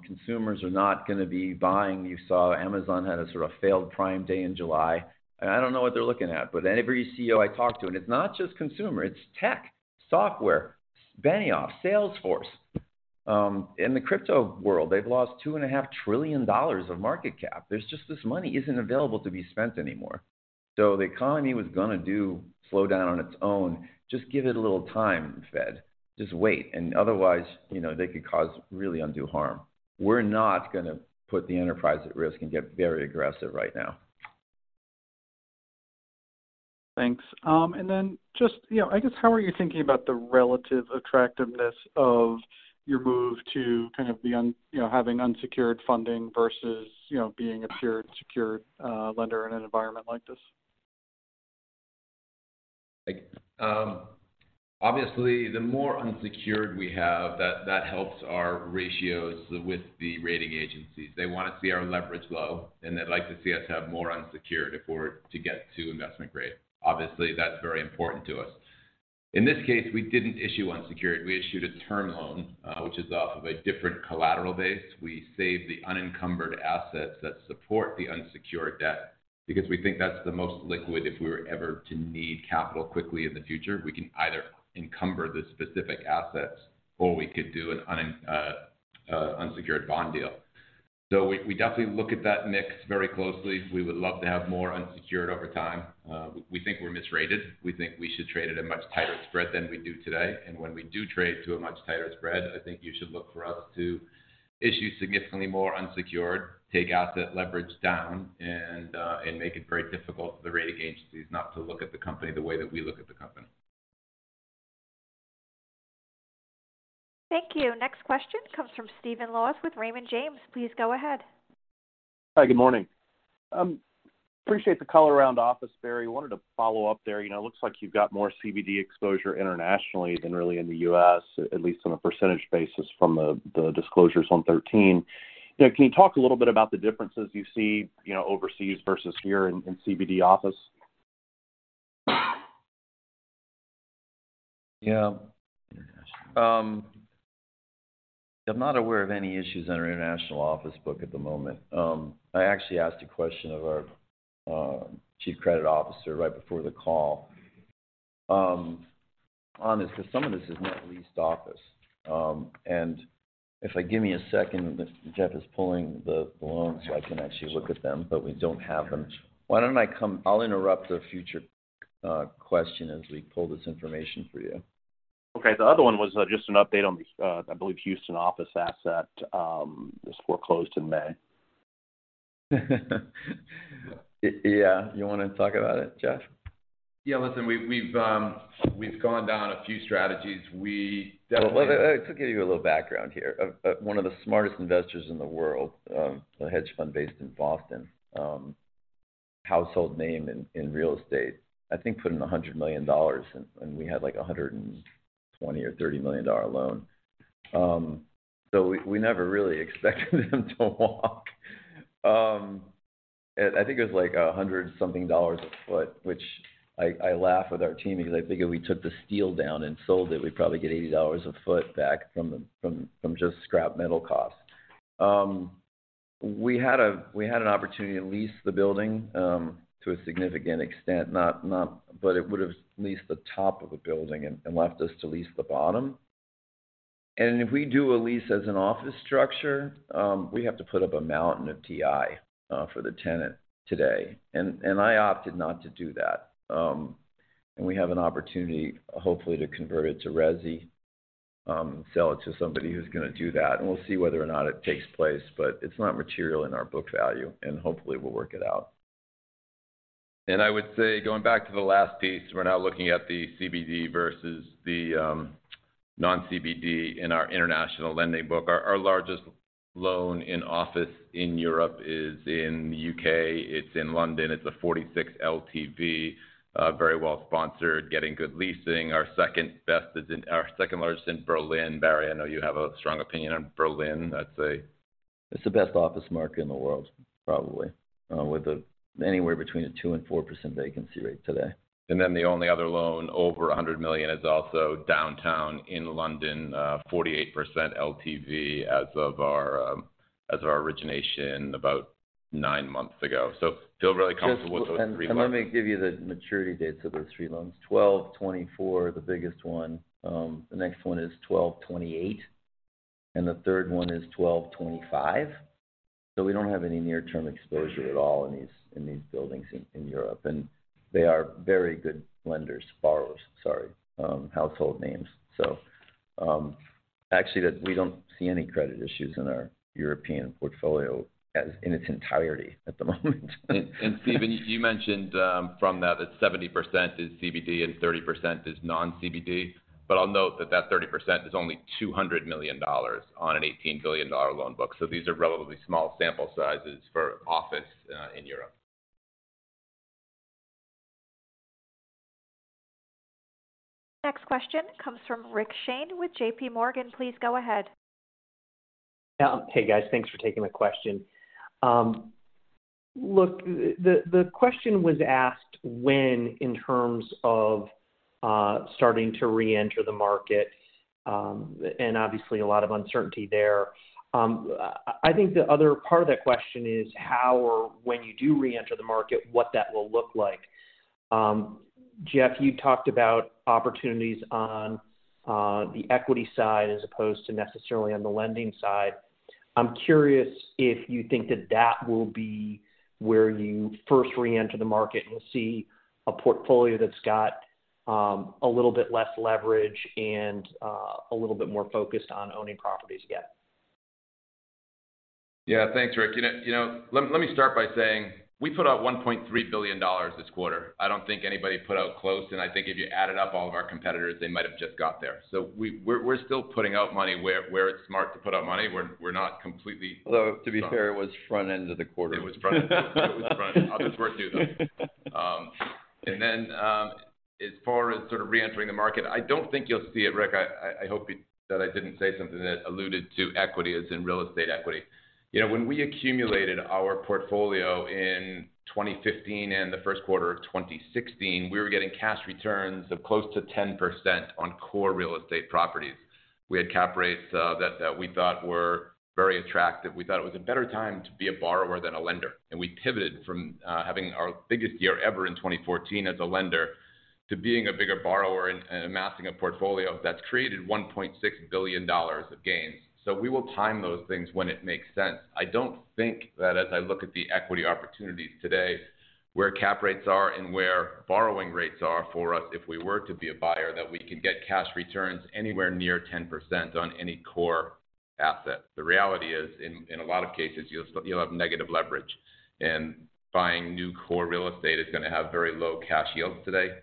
E: Consumers are not gonna be buying. You saw Amazon had a sort of failed Prime Day in July. I don't know what they're looking at, but every CEO I talk to, and it's not just consumer, it's tech, software, Benioff, Salesforce. In the crypto world, they've lost $2.5 trillion of market cap. There's just this money isn't available to be spent anymore. The economy was gonna slow down on its own. Just give it a little time, Fed. Just wait, and otherwise, you know, they could cause really undue harm. We're not gonna put the enterprise at risk and get very aggressive right now.
F: Thanks. Just, you know, I guess how are you thinking about the relative attractiveness of your move to kind of you know, having unsecured funding versus, you know, being a pure secured lender in an environment like this?
E: Obviously, the more unsecured we have, that helps our ratios with the rating agencies. They wanna see our leverage low, and they'd like to see us have more unsecured to get to investment grade. Obviously, that's very important to us. In this case, we didn't issue unsecured. We issued a term loan, which is off of a different collateral base. We saved the unencumbered assets that support the unsecured debt because we think that's the most liquid if we were ever to need capital quickly in the future. We can either encumber the specific assets or we could do an unsecured bond deal. We definitely look at that mix very closely. We would love to have more unsecured over time. We think we're misrated. We think we should trade at a much tighter spread than we do today. When we do trade to a much tighter spread, I think you should look for us to issue significantly more unsecured, take asset leverage down and make it very difficult for the rating agencies not to look at the company the way that we look at the company.
A: Thank you. Next question comes from Stephen Laws with Raymond James. Please go ahead.
G: Hi, good morning. Appreciate the color around office, Barry. Wanted to follow up there. You know, looks like you've got more CBD exposure internationally than really in the U.S., at least on a percentage basis from the disclosures on 13. You know, can you talk a little bit about the differences you see, you know, overseas versus here in CBD office?
E: Yeah. I'm not aware of any issues in our international office book at the moment. I actually asked a question of our chief credit officer right before the call. Honestly, because some of this is net leased office. Give me a second. Jeff is pulling the loans so I can actually look at them, but we don't have them. Why don't I come. I'll interrupt a future question as we pull this information for you.
G: Okay. The other one was just an update on the, I believe Houston office asset, that's foreclosed in May.
E: Yeah. You wanna talk about it, Jeff?
D: Yeah. Listen, we've gone down a few strategies. We definitely.
E: To give you a little background here. One of the smartest investors in the world, a hedge fund based in Boston, household name in real estate, I think put in $100 million, and we had like a $120 million or $130 million loan. So we never really expected them to walk. I think it was like a hundred something dollars a foot, which I laugh with our team because I figure we took the steel down and sold it, we'd probably get $80 a foot back from just scrap metal costs. We had an opportunity to lease the building to a significant extent. But it would have leased the top of the building and left us to lease the bottom. If we do a lease as an office structure, we have to put up a mountain of TI for the tenant today. I opted not to do that. We have an opportunity, hopefully, to convert it to resi, sell it to somebody who's gonna do that. We'll see whether or not it takes place, but it's not material in our book value, and hopefully we'll work it out.
D: I would say going back to the last piece, we're now looking at the CBD versus the non-CBD in our international lending book. Our largest loan in office in Europe is in the U.K. It's in London. It's a 46 LTV, very well sponsored, getting good leasing. Our second largest in Berlin. Barry, I know you have a strong opinion on Berlin. I'd say.
E: It's the best office market in the world, probably, with anywhere between a 2%-4% vacancy rate today.
D: The only other loan over $100 million is also downtown in London, 48% LTV as of our origination about nine months ago. Feel really comfortable with those three loans.
E: Let me give you the maturity dates of those three loans. 12/24/2024, the biggest one. The next one is 12/28/2028, and the third one is 12/25/2025. We don't have any near-term exposure at all in these buildings in Europe. They are very good borrowers, sorry, household names. Actually that we don't see any credit issues in our European portfolio in its entirety at the moment.
D: Stephen, you mentioned from that 70% is CBD and 30% is non-CBD. I'll note that 30% is only $200 million on an $18 billion loan book. These are relatively small sample sizes for office in Europe.
A: Next question comes from Rick Shane with JPMorgan. Please go ahead.
H: Hey, guys. Thanks for taking the question. Look, the question was asked when in terms of starting to reenter the market, and obviously a lot of uncertainty there. I think the other part of that question is how or when you do reenter the market, what that will look like. Jeff, you talked about opportunities on the equity side as opposed to necessarily on the lending side. I'm curious if you think that will be where you first reenter the market and we'll see a portfolio that's got a little bit less leverage and a little bit more focused on owning properties again.
D: Yeah. Thanks, Rick. You know, let me start by saying we put out $1.3 billion this quarter. I don't think anybody put out close, and I think if you added up all of our competitors, they might have just got there. We're still putting out money where it's smart to put out money. We're not completely-
E: Although, to be fair, it was front end of the quarter.
D: It was front end. It was front. It's worth noting though. As far as sort of reentering the market, I don't think you'll see it, Rick. I hope that I didn't say something that alluded to equity as in real estate equity. You know, when we accumulated our portfolio in 2015 and the first quarter of 2016, we were getting cash returns of close to 10% on core real estate properties. We had cap rates that we thought were very attractive. We thought it was a better time to be a borrower than a lender, and we pivoted from having our biggest year ever in 2014 as a lender to being a bigger borrower and amassing a portfolio that's created $1.6 billion of gains. We will time those things when it makes sense. I don't think that as I look at the equity opportunities today, where cap rates are and where borrowing rates are for us, if we were to be a buyer, that we can get cash returns anywhere near 10% on any core asset. The reality is, in a lot of cases, you'll have negative leverage, and buying new core real estate is gonna have very low cash yields today.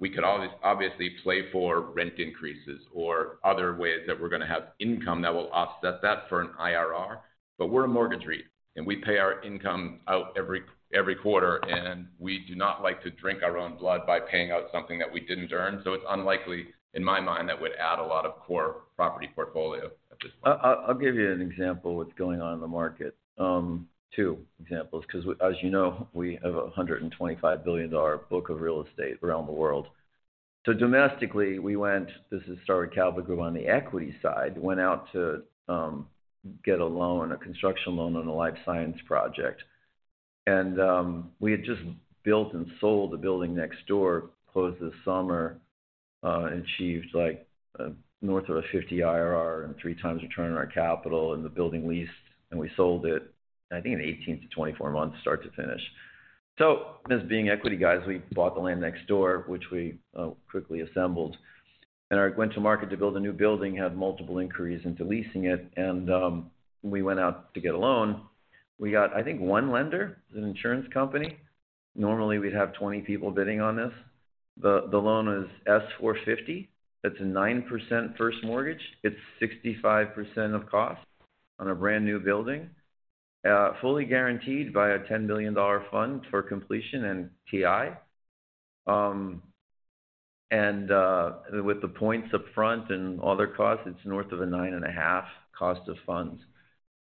D: We could always obviously play for rent increases or other ways that we're gonna have income that will offset that for an IRR. We're a mortgage REIT, and we pay our income out every quarter, and we do not like to drink our own blood by paying out something that we didn't earn. It's unlikely, in my mind, that we'd add a lot of core property portfolio at this point.
E: I'll give you an example what's going on in the market. Two examples, 'cause as you know, we have a $125 billion book of real estate around the world. Domestically, we went, this is Starwood Capital Group on the equity side, went out to get a loan, a construction loan on a life science project. We had just built and sold the building next door, closed this summer, and achieved like north of a 50 IRR and 3x return on our capital and the building leased, and we sold it, I think in 18-24 months start to finish. As being equity guys, we bought the land next door, which we quickly assembled and went to market to build a new building, had multiple inquiries into leasing it, and we went out to get a loan. We got, I think, one lender, an insurance company. Normally, we'd have 20 people bidding on this. The loan is S+450. That's a 9% first mortgage. It's 65% of cost on a brand-new building, fully guaranteed by a $10 billion fund for completion and TI. With the points up front and other costs, it's north of a 9.5% cost of funds,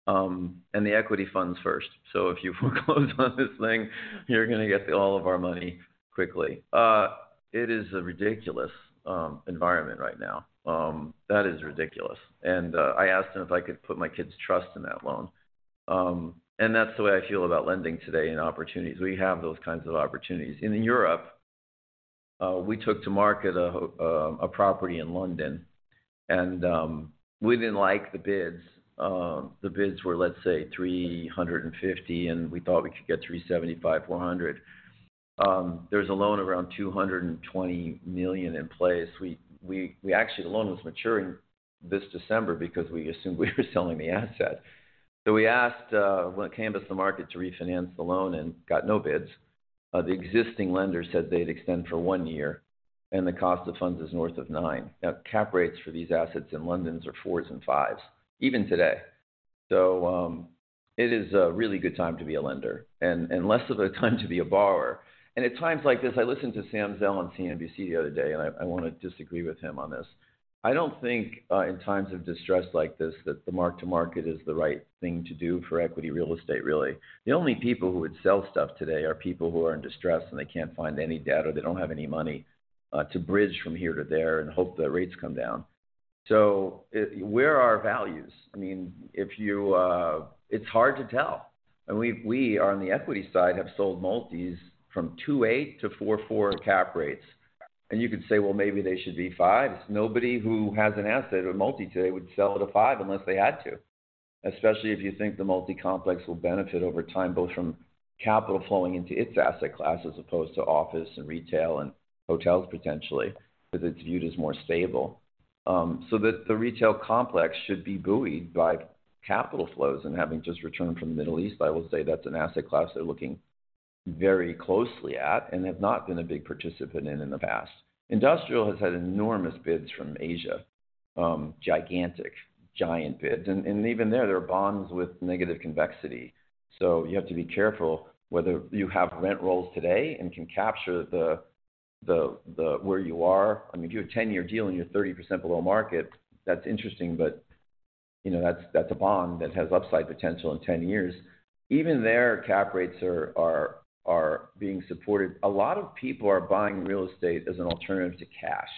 E: and the equity funds first. If you foreclose on this thing, you're gonna get all of our money quickly. It is a ridiculous environment right now. That is ridiculous. I asked him if I could put my kids' trust in that loan. That's the way I feel about lending today and opportunities. We have those kinds of opportunities. In Europe, we took to market a property in London. We didn't like the bids. The bids were, let's say, $350, and we thought we could get $375-$400. There's a loan around $220 million in place. Actually, the loan was maturing this December because we assumed we were selling the asset. We asked, well, canvassed the market to refinance the loan and got no bids. The existing lender said they'd extend for one year, and the cost of funds is north of 9%. Now, cap rates for these assets in London's are fours and fives, even today. It is a really good time to be a lender and less of a time to be a borrower. I listened to Sam Zell on CNBC the other day, and I wanna disagree with him on this. I don't think in times of distress like this that the mark-to-market is the right thing to do for equity real estate, really. The only people who would sell stuff today are people who are in distress, and they can't find any debt or they don't have any money to bridge from here to there and hope that rates come down. Where are our values? I mean, if you, it's hard to tell. We've on the equity side have sold multis from 2.8%-4.4% cap rates. You could say, "Well, maybe they should be 5%." Nobody who has an asset or multi today would sell at a 5% unless they had to, especially if you think the multi complex will benefit over time, both from capital flowing into its asset class as opposed to office and retail and hotels potentially, because it's viewed as more stable. The multi complex should be buoyed by capital flows. Having just returned from the Middle East, I will say that's an asset class they're looking very closely at and have not been a big participant in in the past. Industrial has had enormous bids from Asia, gigantic, giant bids. Even there are bonds with negative convexity, so you have to be careful whether you have rent rolls today and can capture the where you are. I mean, if you have a 10-year deal and you're 30% below market, that's interesting, but you know, that's a bond that has upside potential in 10 years. Even there, cap rates are being supported. A lot of people are buying real estate as an alternative to cash.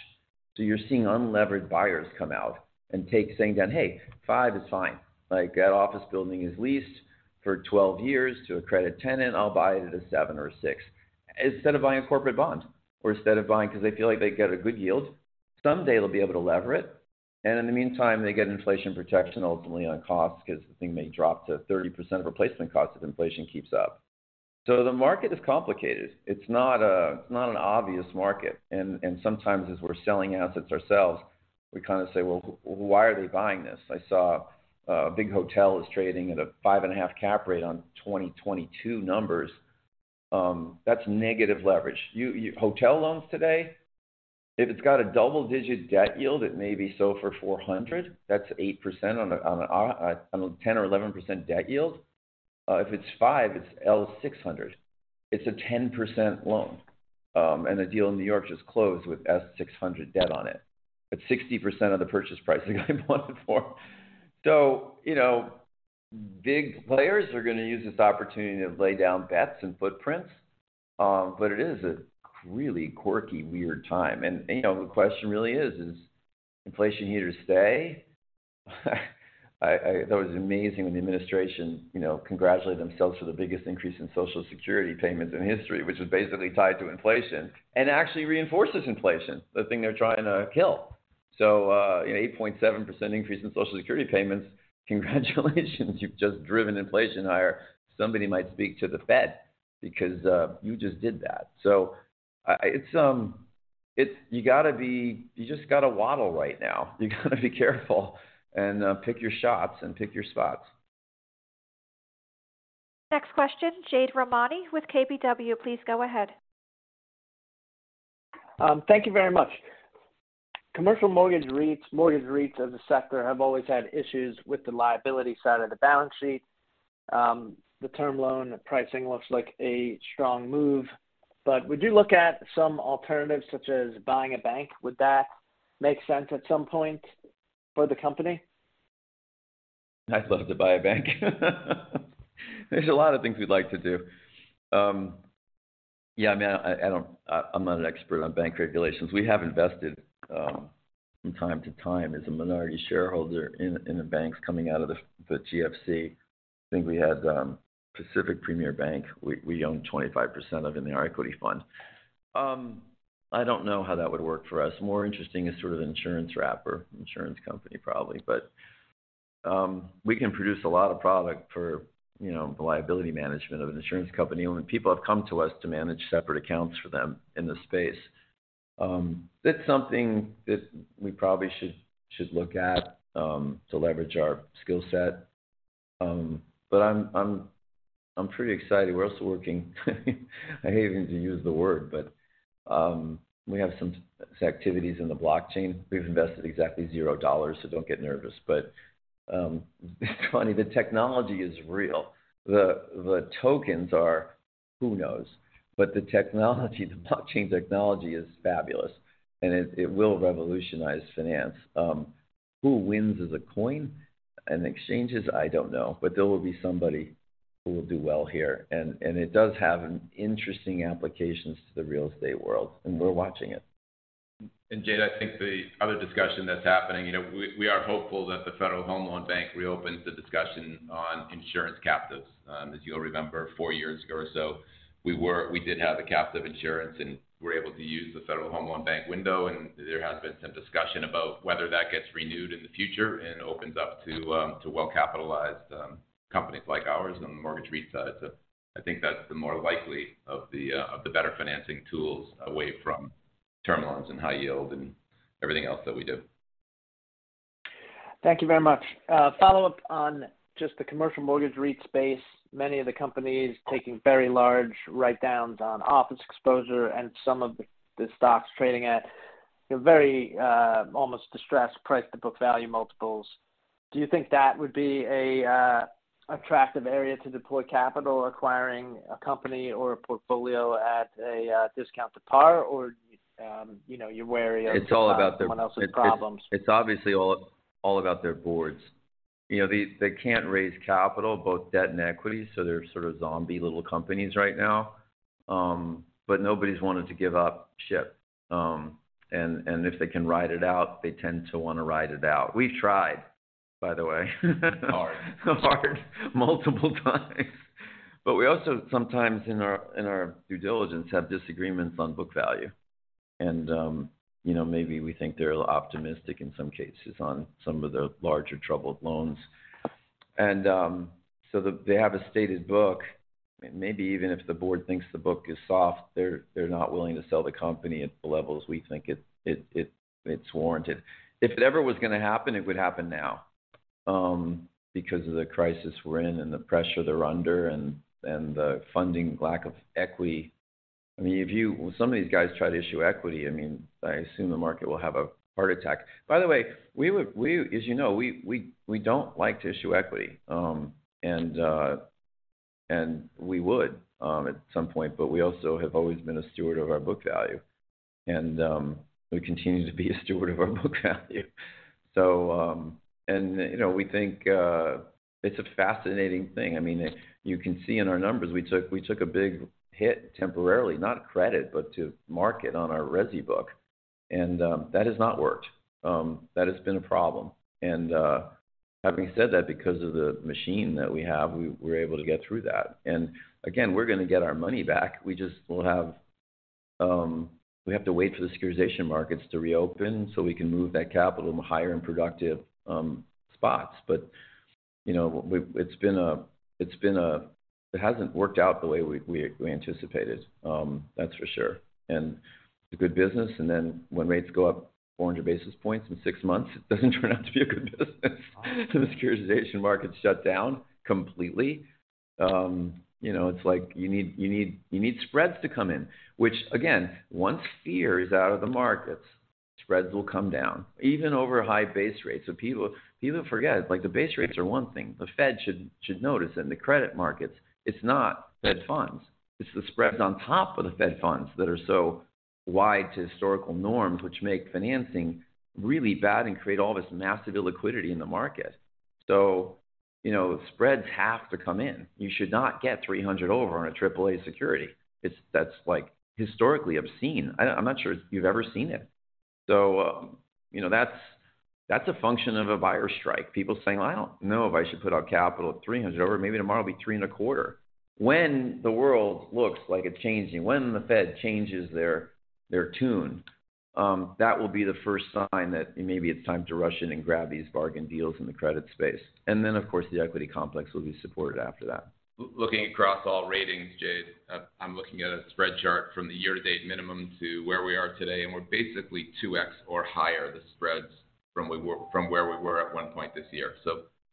E: You're seeing unlevered buyers come out and take, saying, "Hey, 5% is fine. Like, that office building is leased for 12 years to a credit tenant. I'll buy it at a 7% or a 6%," instead of buying a corporate bond or instead of buying because they feel like they get a good yield. Someday they'll be able to lever it, and in the meantime, they get inflation protection ultimately on cost because the thing may drop to 30% of replacement cost if inflation keeps up. The market is complicated. It's not an obvious market. Sometimes as we're selling assets ourselves, we kind of say, "Well, why are they buying this?" I saw a big hotel trading at a 5.5 cap rate on 2022 numbers. That's negative leverage. Hotel loans today, if it's got a double-digit debt yield, it may be SOFR plus 400. That's 8% on a 10% or 11% debt yield. If it's 5%, it's SOFR plus 600. It's a 10% loan. A deal in New York just closed with SOFR plus 600 debt on it. It's 60% of the purchase price they got it bought for. You know, big players are gonna use this opportunity to lay down bets and footprints, but it is a really quirky, weird time. You know, the question really is inflation here to stay? I thought it was amazing when the administration, you know, congratulated themselves for the biggest increase in Social Security payments in history, which was basically tied to inflation and actually reinforces inflation, the thing they're trying to kill. You know, 8.7% increase in Social Security payments. Congratulations, you've just driven inflation higher. Somebody might speak to the Fed because you just did that. I It's. You just gotta waddle right now. You gotta be careful and pick your shots and pick your spots.
A: Next question, Jade Rahmani with KBW, please go ahead.
I: Thank you very much. Commercial mortgage REITs, mortgage REITs as a sector have always had issues with the liability side of the balance sheet. The term loan pricing looks like a strong move. Would you look at some alternatives such as buying a bank? Would that make sense at some point for the company?
E: I'd love to buy a bank. There's a lot of things we'd like to do. Yeah, I mean, I don't. I'm not an expert on bank regulations. We have invested from time to time as a minority shareholder in the banks coming out of the GFC. I think we had Pacific Premier Bank we owned 25% of in our equity fund. I don't know how that would work for us. More interesting is sort of an insurance wrapper, insurance company probably. We can produce a lot of product for, you know, the liability management of an insurance company, and people have come to us to manage separate accounts for them in this space. That's something that we probably should look at to leverage our skill set. I'm pretty excited. We're also working. I hate even to use the word, but we have some activities in the blockchain. We've invested exactly $0, so don't get nervous. It's funny. The technology is real. The tokens are, who knows? The technology, the blockchain technology is fabulous, and it will revolutionize finance. Who wins as a coin and exchanges, I don't know. There will be somebody who will do well here. It does have an interesting applications to the real estate world, and we're watching it.
D: Jade, I think the other discussion that's happening, you know, we are hopeful that the Federal Home Loan Banks reopens the discussion on insurance captives. As you'll remember, four years ago or so, we did have the captive insurance, and we're able to use the Federal Home Loan Banks window, and there has been some discussion about whether that gets renewed in the future and opens up to well-capitalized companies like ours on the mortgage REIT side. I think that's the more likely of the better financing tools away from term loans and high yield and everything else that we do.
I: Thank you very much. Follow-up on just the commercial mortgage REIT space. Many of the companies taking very large write-downs on office exposure and some of the stocks trading at, you know, very almost distressed price to book value multiples. Do you think that would be a attractive area to deploy capital acquiring a company or a portfolio at a discount to par? Or are you know, you're wary of?
E: It's all about their-
I: someone else's problems.
E: It's obviously all about their boards. You know, they can't raise capital, both debt and equity, so they're sort of zombie little companies right now. Nobody's wanted to give up ship. If they can ride it out, they tend to wanna ride it out. We've tried, by the way.
D: Hard.
E: Hard, multiple times. We also sometimes in our due diligence have disagreements on book value. You know, maybe we think they're optimistic in some cases on some of the larger troubled loans. They have a stated book. Maybe even if the board thinks the book is soft, they're not willing to sell the company at the levels we think it's warranted. If it ever was gonna happen, it would happen now, because of the crisis we're in and the pressure they're under and the funding lack of equity. I mean, some of these guys try to issue equity. I mean, I assume the market will have a heart attack. By the way, we would, as you know, we don't like to issue equity. We would at some point, but we also have always been a steward of our book value. We continue to be a steward of our book value. You know, we think it's a fascinating thing. I mean, you can see in our numbers, we took a big hit temporarily, not credit, but to market on our resi book. That has not worked. That has been a problem. Having said that, because of the machine that we have, we're able to get through that. Again, we're gonna get our money back. We just have to wait for the securitization markets to reopen, so we can move that capital to higher and productive spots. You know, it's been a. It hasn't worked out the way we anticipated, that's for sure. It's a good business, and then when rates go up 400 basis points in six months, it doesn't turn out to be a good business. The securitization market shut down completely. You know, it's like you need spreads to come in. Which again, once fear is out of the markets, spreads will come down even over high base rates. People forget, like the base rates are one thing. The Fed should notice in the credit markets, it's not Fed funds. It's the spreads on top of the Fed funds that are so wide to historical norms, which make financing really bad and create all this massive illiquidity in the market. You know, spreads have to come in. You should not get 300 over on a AAA security. It's. That's like historically obscene. I'm not sure you've ever seen it. You know, that's a function of a buyer strike. People saying, "Well, I don't know if I should put on capital at 300 over. Maybe tomorrow it'll be 3.25." When the world looks like it's changing, when the Fed changes their tune, that will be the first sign that maybe it's time to rush in and grab these bargain deals in the credit space. Then, of course, the equity complex will be supported after that.
D: Looking across all ratings, Jade, I'm looking at a spread chart from the year-to-date minimum to where we are today, and we're basically 2x or higher the spreads from where we were at one point this year.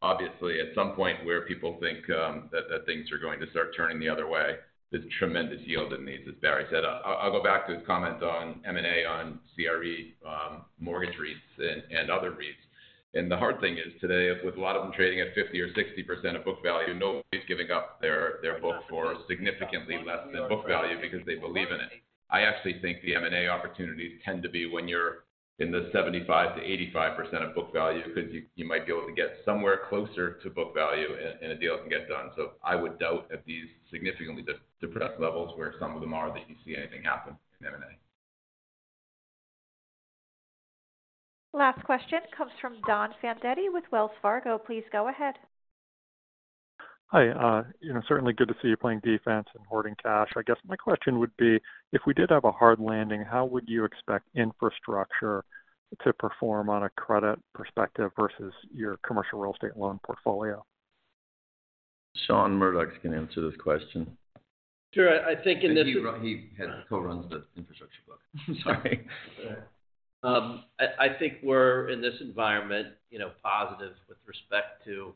D: Obviously, at some point where people think that things are going to start turning the other way, there's tremendous yield in these, as Barry said. I'll go back to the comment on M&A on CRE, mortgage REITs and other REITs. The hard thing is today with a lot of them trading at 50% or 60% of book value, nobody's giving up their book for significantly less than book value because they believe in it. I actually think the M&A opportunities tend to be when you're in the 75%-85% of book value because you might be able to get somewhere closer to book value and a deal can get done. I would doubt at these significantly depressed levels where some of them are, that you see anything happen in M&A.
A: Last question comes from Don Fandetti with Wells Fargo. Please go ahead.
J: Hi. You know, certainly good to see you playing defense and hoarding cash. I guess my question would be, if we did have a hard landing, how would you expect infrastructure to perform on a credit perspective versus your commercial real estate loan portfolio?
D: Sean Murdock's gonna answer this question.
K: Sure. I think
E: He co-runs the infrastructure book. Sorry.
K: I think we're in this environment, you know, positive with respect to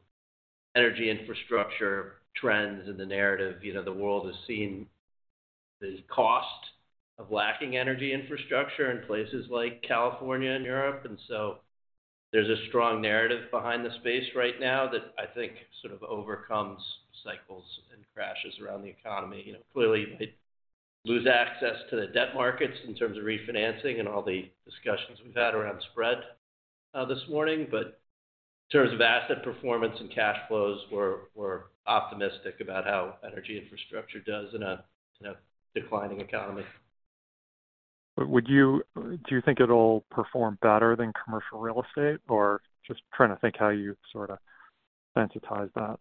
K: energy infrastructure trends and the narrative. You know, the world has seen the cost of lacking energy infrastructure in places like California and Europe. There's a strong narrative behind the space right now that I think sort of overcomes cycles and crashes around the economy. You know, clearly, you might lose access to the debt markets in terms of refinancing and all the discussions we've had around spread this morning. In terms of asset performance and cash flows, we're optimistic about how energy infrastructure does in a declining economy.
J: Do you think it'll perform better than commercial real estate? Or just trying to think how you sort of sensitize that.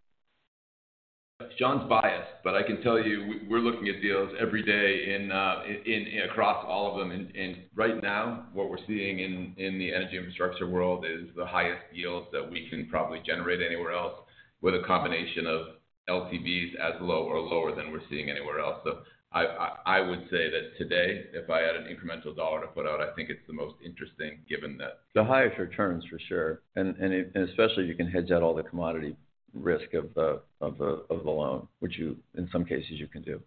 D: Sean's biased, but I can tell you, we're looking at deals every day in across all of them. Right now, what we're seeing in the energy infrastructure world is the highest yields that we can probably generate anywhere else with a combination of LTVs as low or lower than we're seeing anywhere else. I would say that today, if I add an incremental dollar to put out, I think it's the most interesting given that.
E: The highest returns for sure. Especially, you can hedge out all the commodity risk of the loan, which, in some cases, you can do.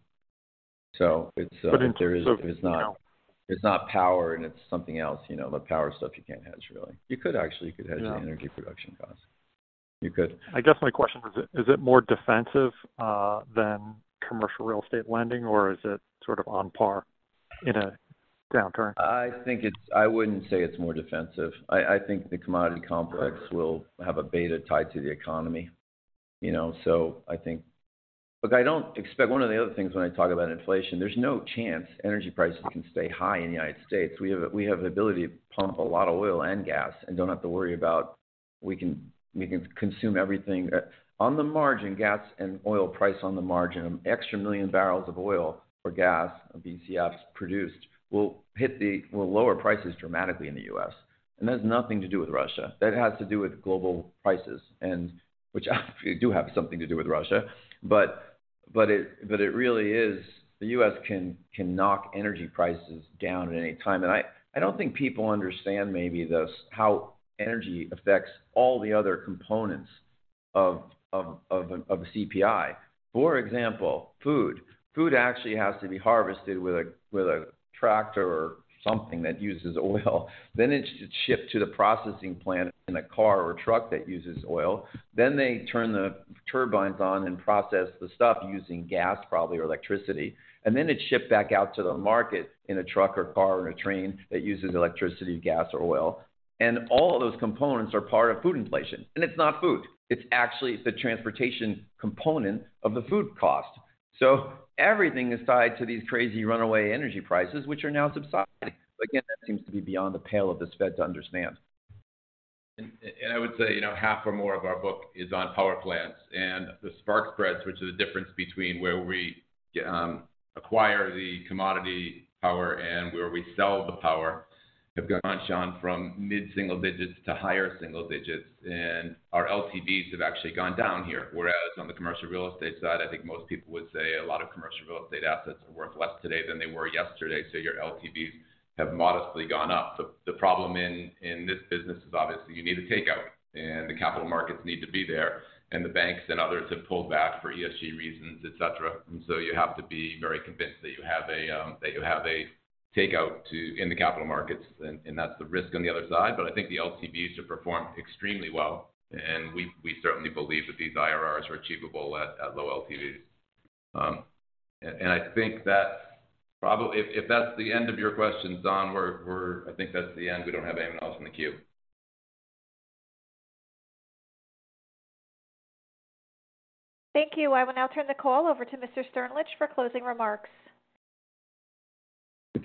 E: It's
J: But in-
E: If it's not, it's not power and it's something else. You know, the power stuff you can't hedge, really. You could actually hedge.
J: Yeah.
E: the energy production costs. You could.
J: I guess my question is it more defensive than commercial real estate lending, or is it sort of on par in a downturn?
E: I wouldn't say it's more defensive. I think the commodity complex will have a beta tied to the economy, you know. Look, I don't expect. One of the other things when I talk about inflation, there's no chance energy prices can stay high in the United States. We have the ability to pump a lot of oil and gas and don't have to worry about. We can consume everything. On the margin, gas and oil price on the margin, extra million barrels of oil or gas or BCFs produced will lower prices dramatically in the U.S. That has nothing to do with Russia. That has to do with global prices and which actually do have something to do with Russia. It really is, the U.S. can knock energy prices down at any time. I don't think people understand maybe this, how energy affects all the other components of a CPI. For example, food. Food actually has to be harvested with a tractor or something that uses oil. It's shipped to the processing plant in a car or truck that uses oil. They turn the turbines on and process the stuff using gas probably, or electricity. It's shipped back out to the market in a truck or car or a train that uses electricity, gas or oil. All of those components are part of food inflation. It's not food. It's actually the transportation component of the food cost. Everything is tied to these crazy runaway energy prices, which are now subsiding. Again, that seems to be beyond the pale of this Fed to understand.
D: I would say, you know, half or more of our book is on power plants. The spark spreads, which is the difference between where we acquire the commodity power and where we sell the power, have gone, Sean, from mid-single digits to higher single digits. Our LTVs have actually gone down here. Whereas on the commercial real estate side, I think most people would say a lot of commercial real estate assets are worth less today than they were yesterday. Your LTVs have modestly gone up. The problem in this business is obviously you need a takeout, and the capital markets need to be there, and the banks and others have pulled back for ESG reasons, et cetera. You have to be very convinced that you have a takeout in the capital markets, and that's the risk on the other side. I think the LTVs have performed extremely well. We certainly believe that these IRRs are achievable at low LTVs. If that's the end of your question, Don, I think that's the end. We don't have anyone else in the queue.
A: Thank you. I will now turn the call over to Mr. Sternlicht for closing remarks.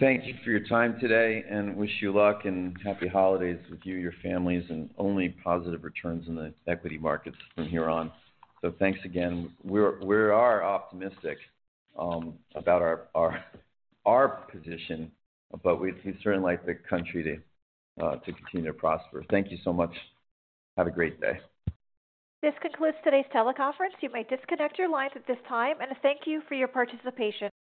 E: Thank you for your time today and wish you luck and happy holidays with you, your families, and only positive returns in the equity markets from here on. Thanks again. We are optimistic about our position, but we'd certainly like the country to continue to prosper. Thank you so much. Have a great day.
A: This concludes today's teleconference. You may disconnect your lines at this time, and thank you for your participation.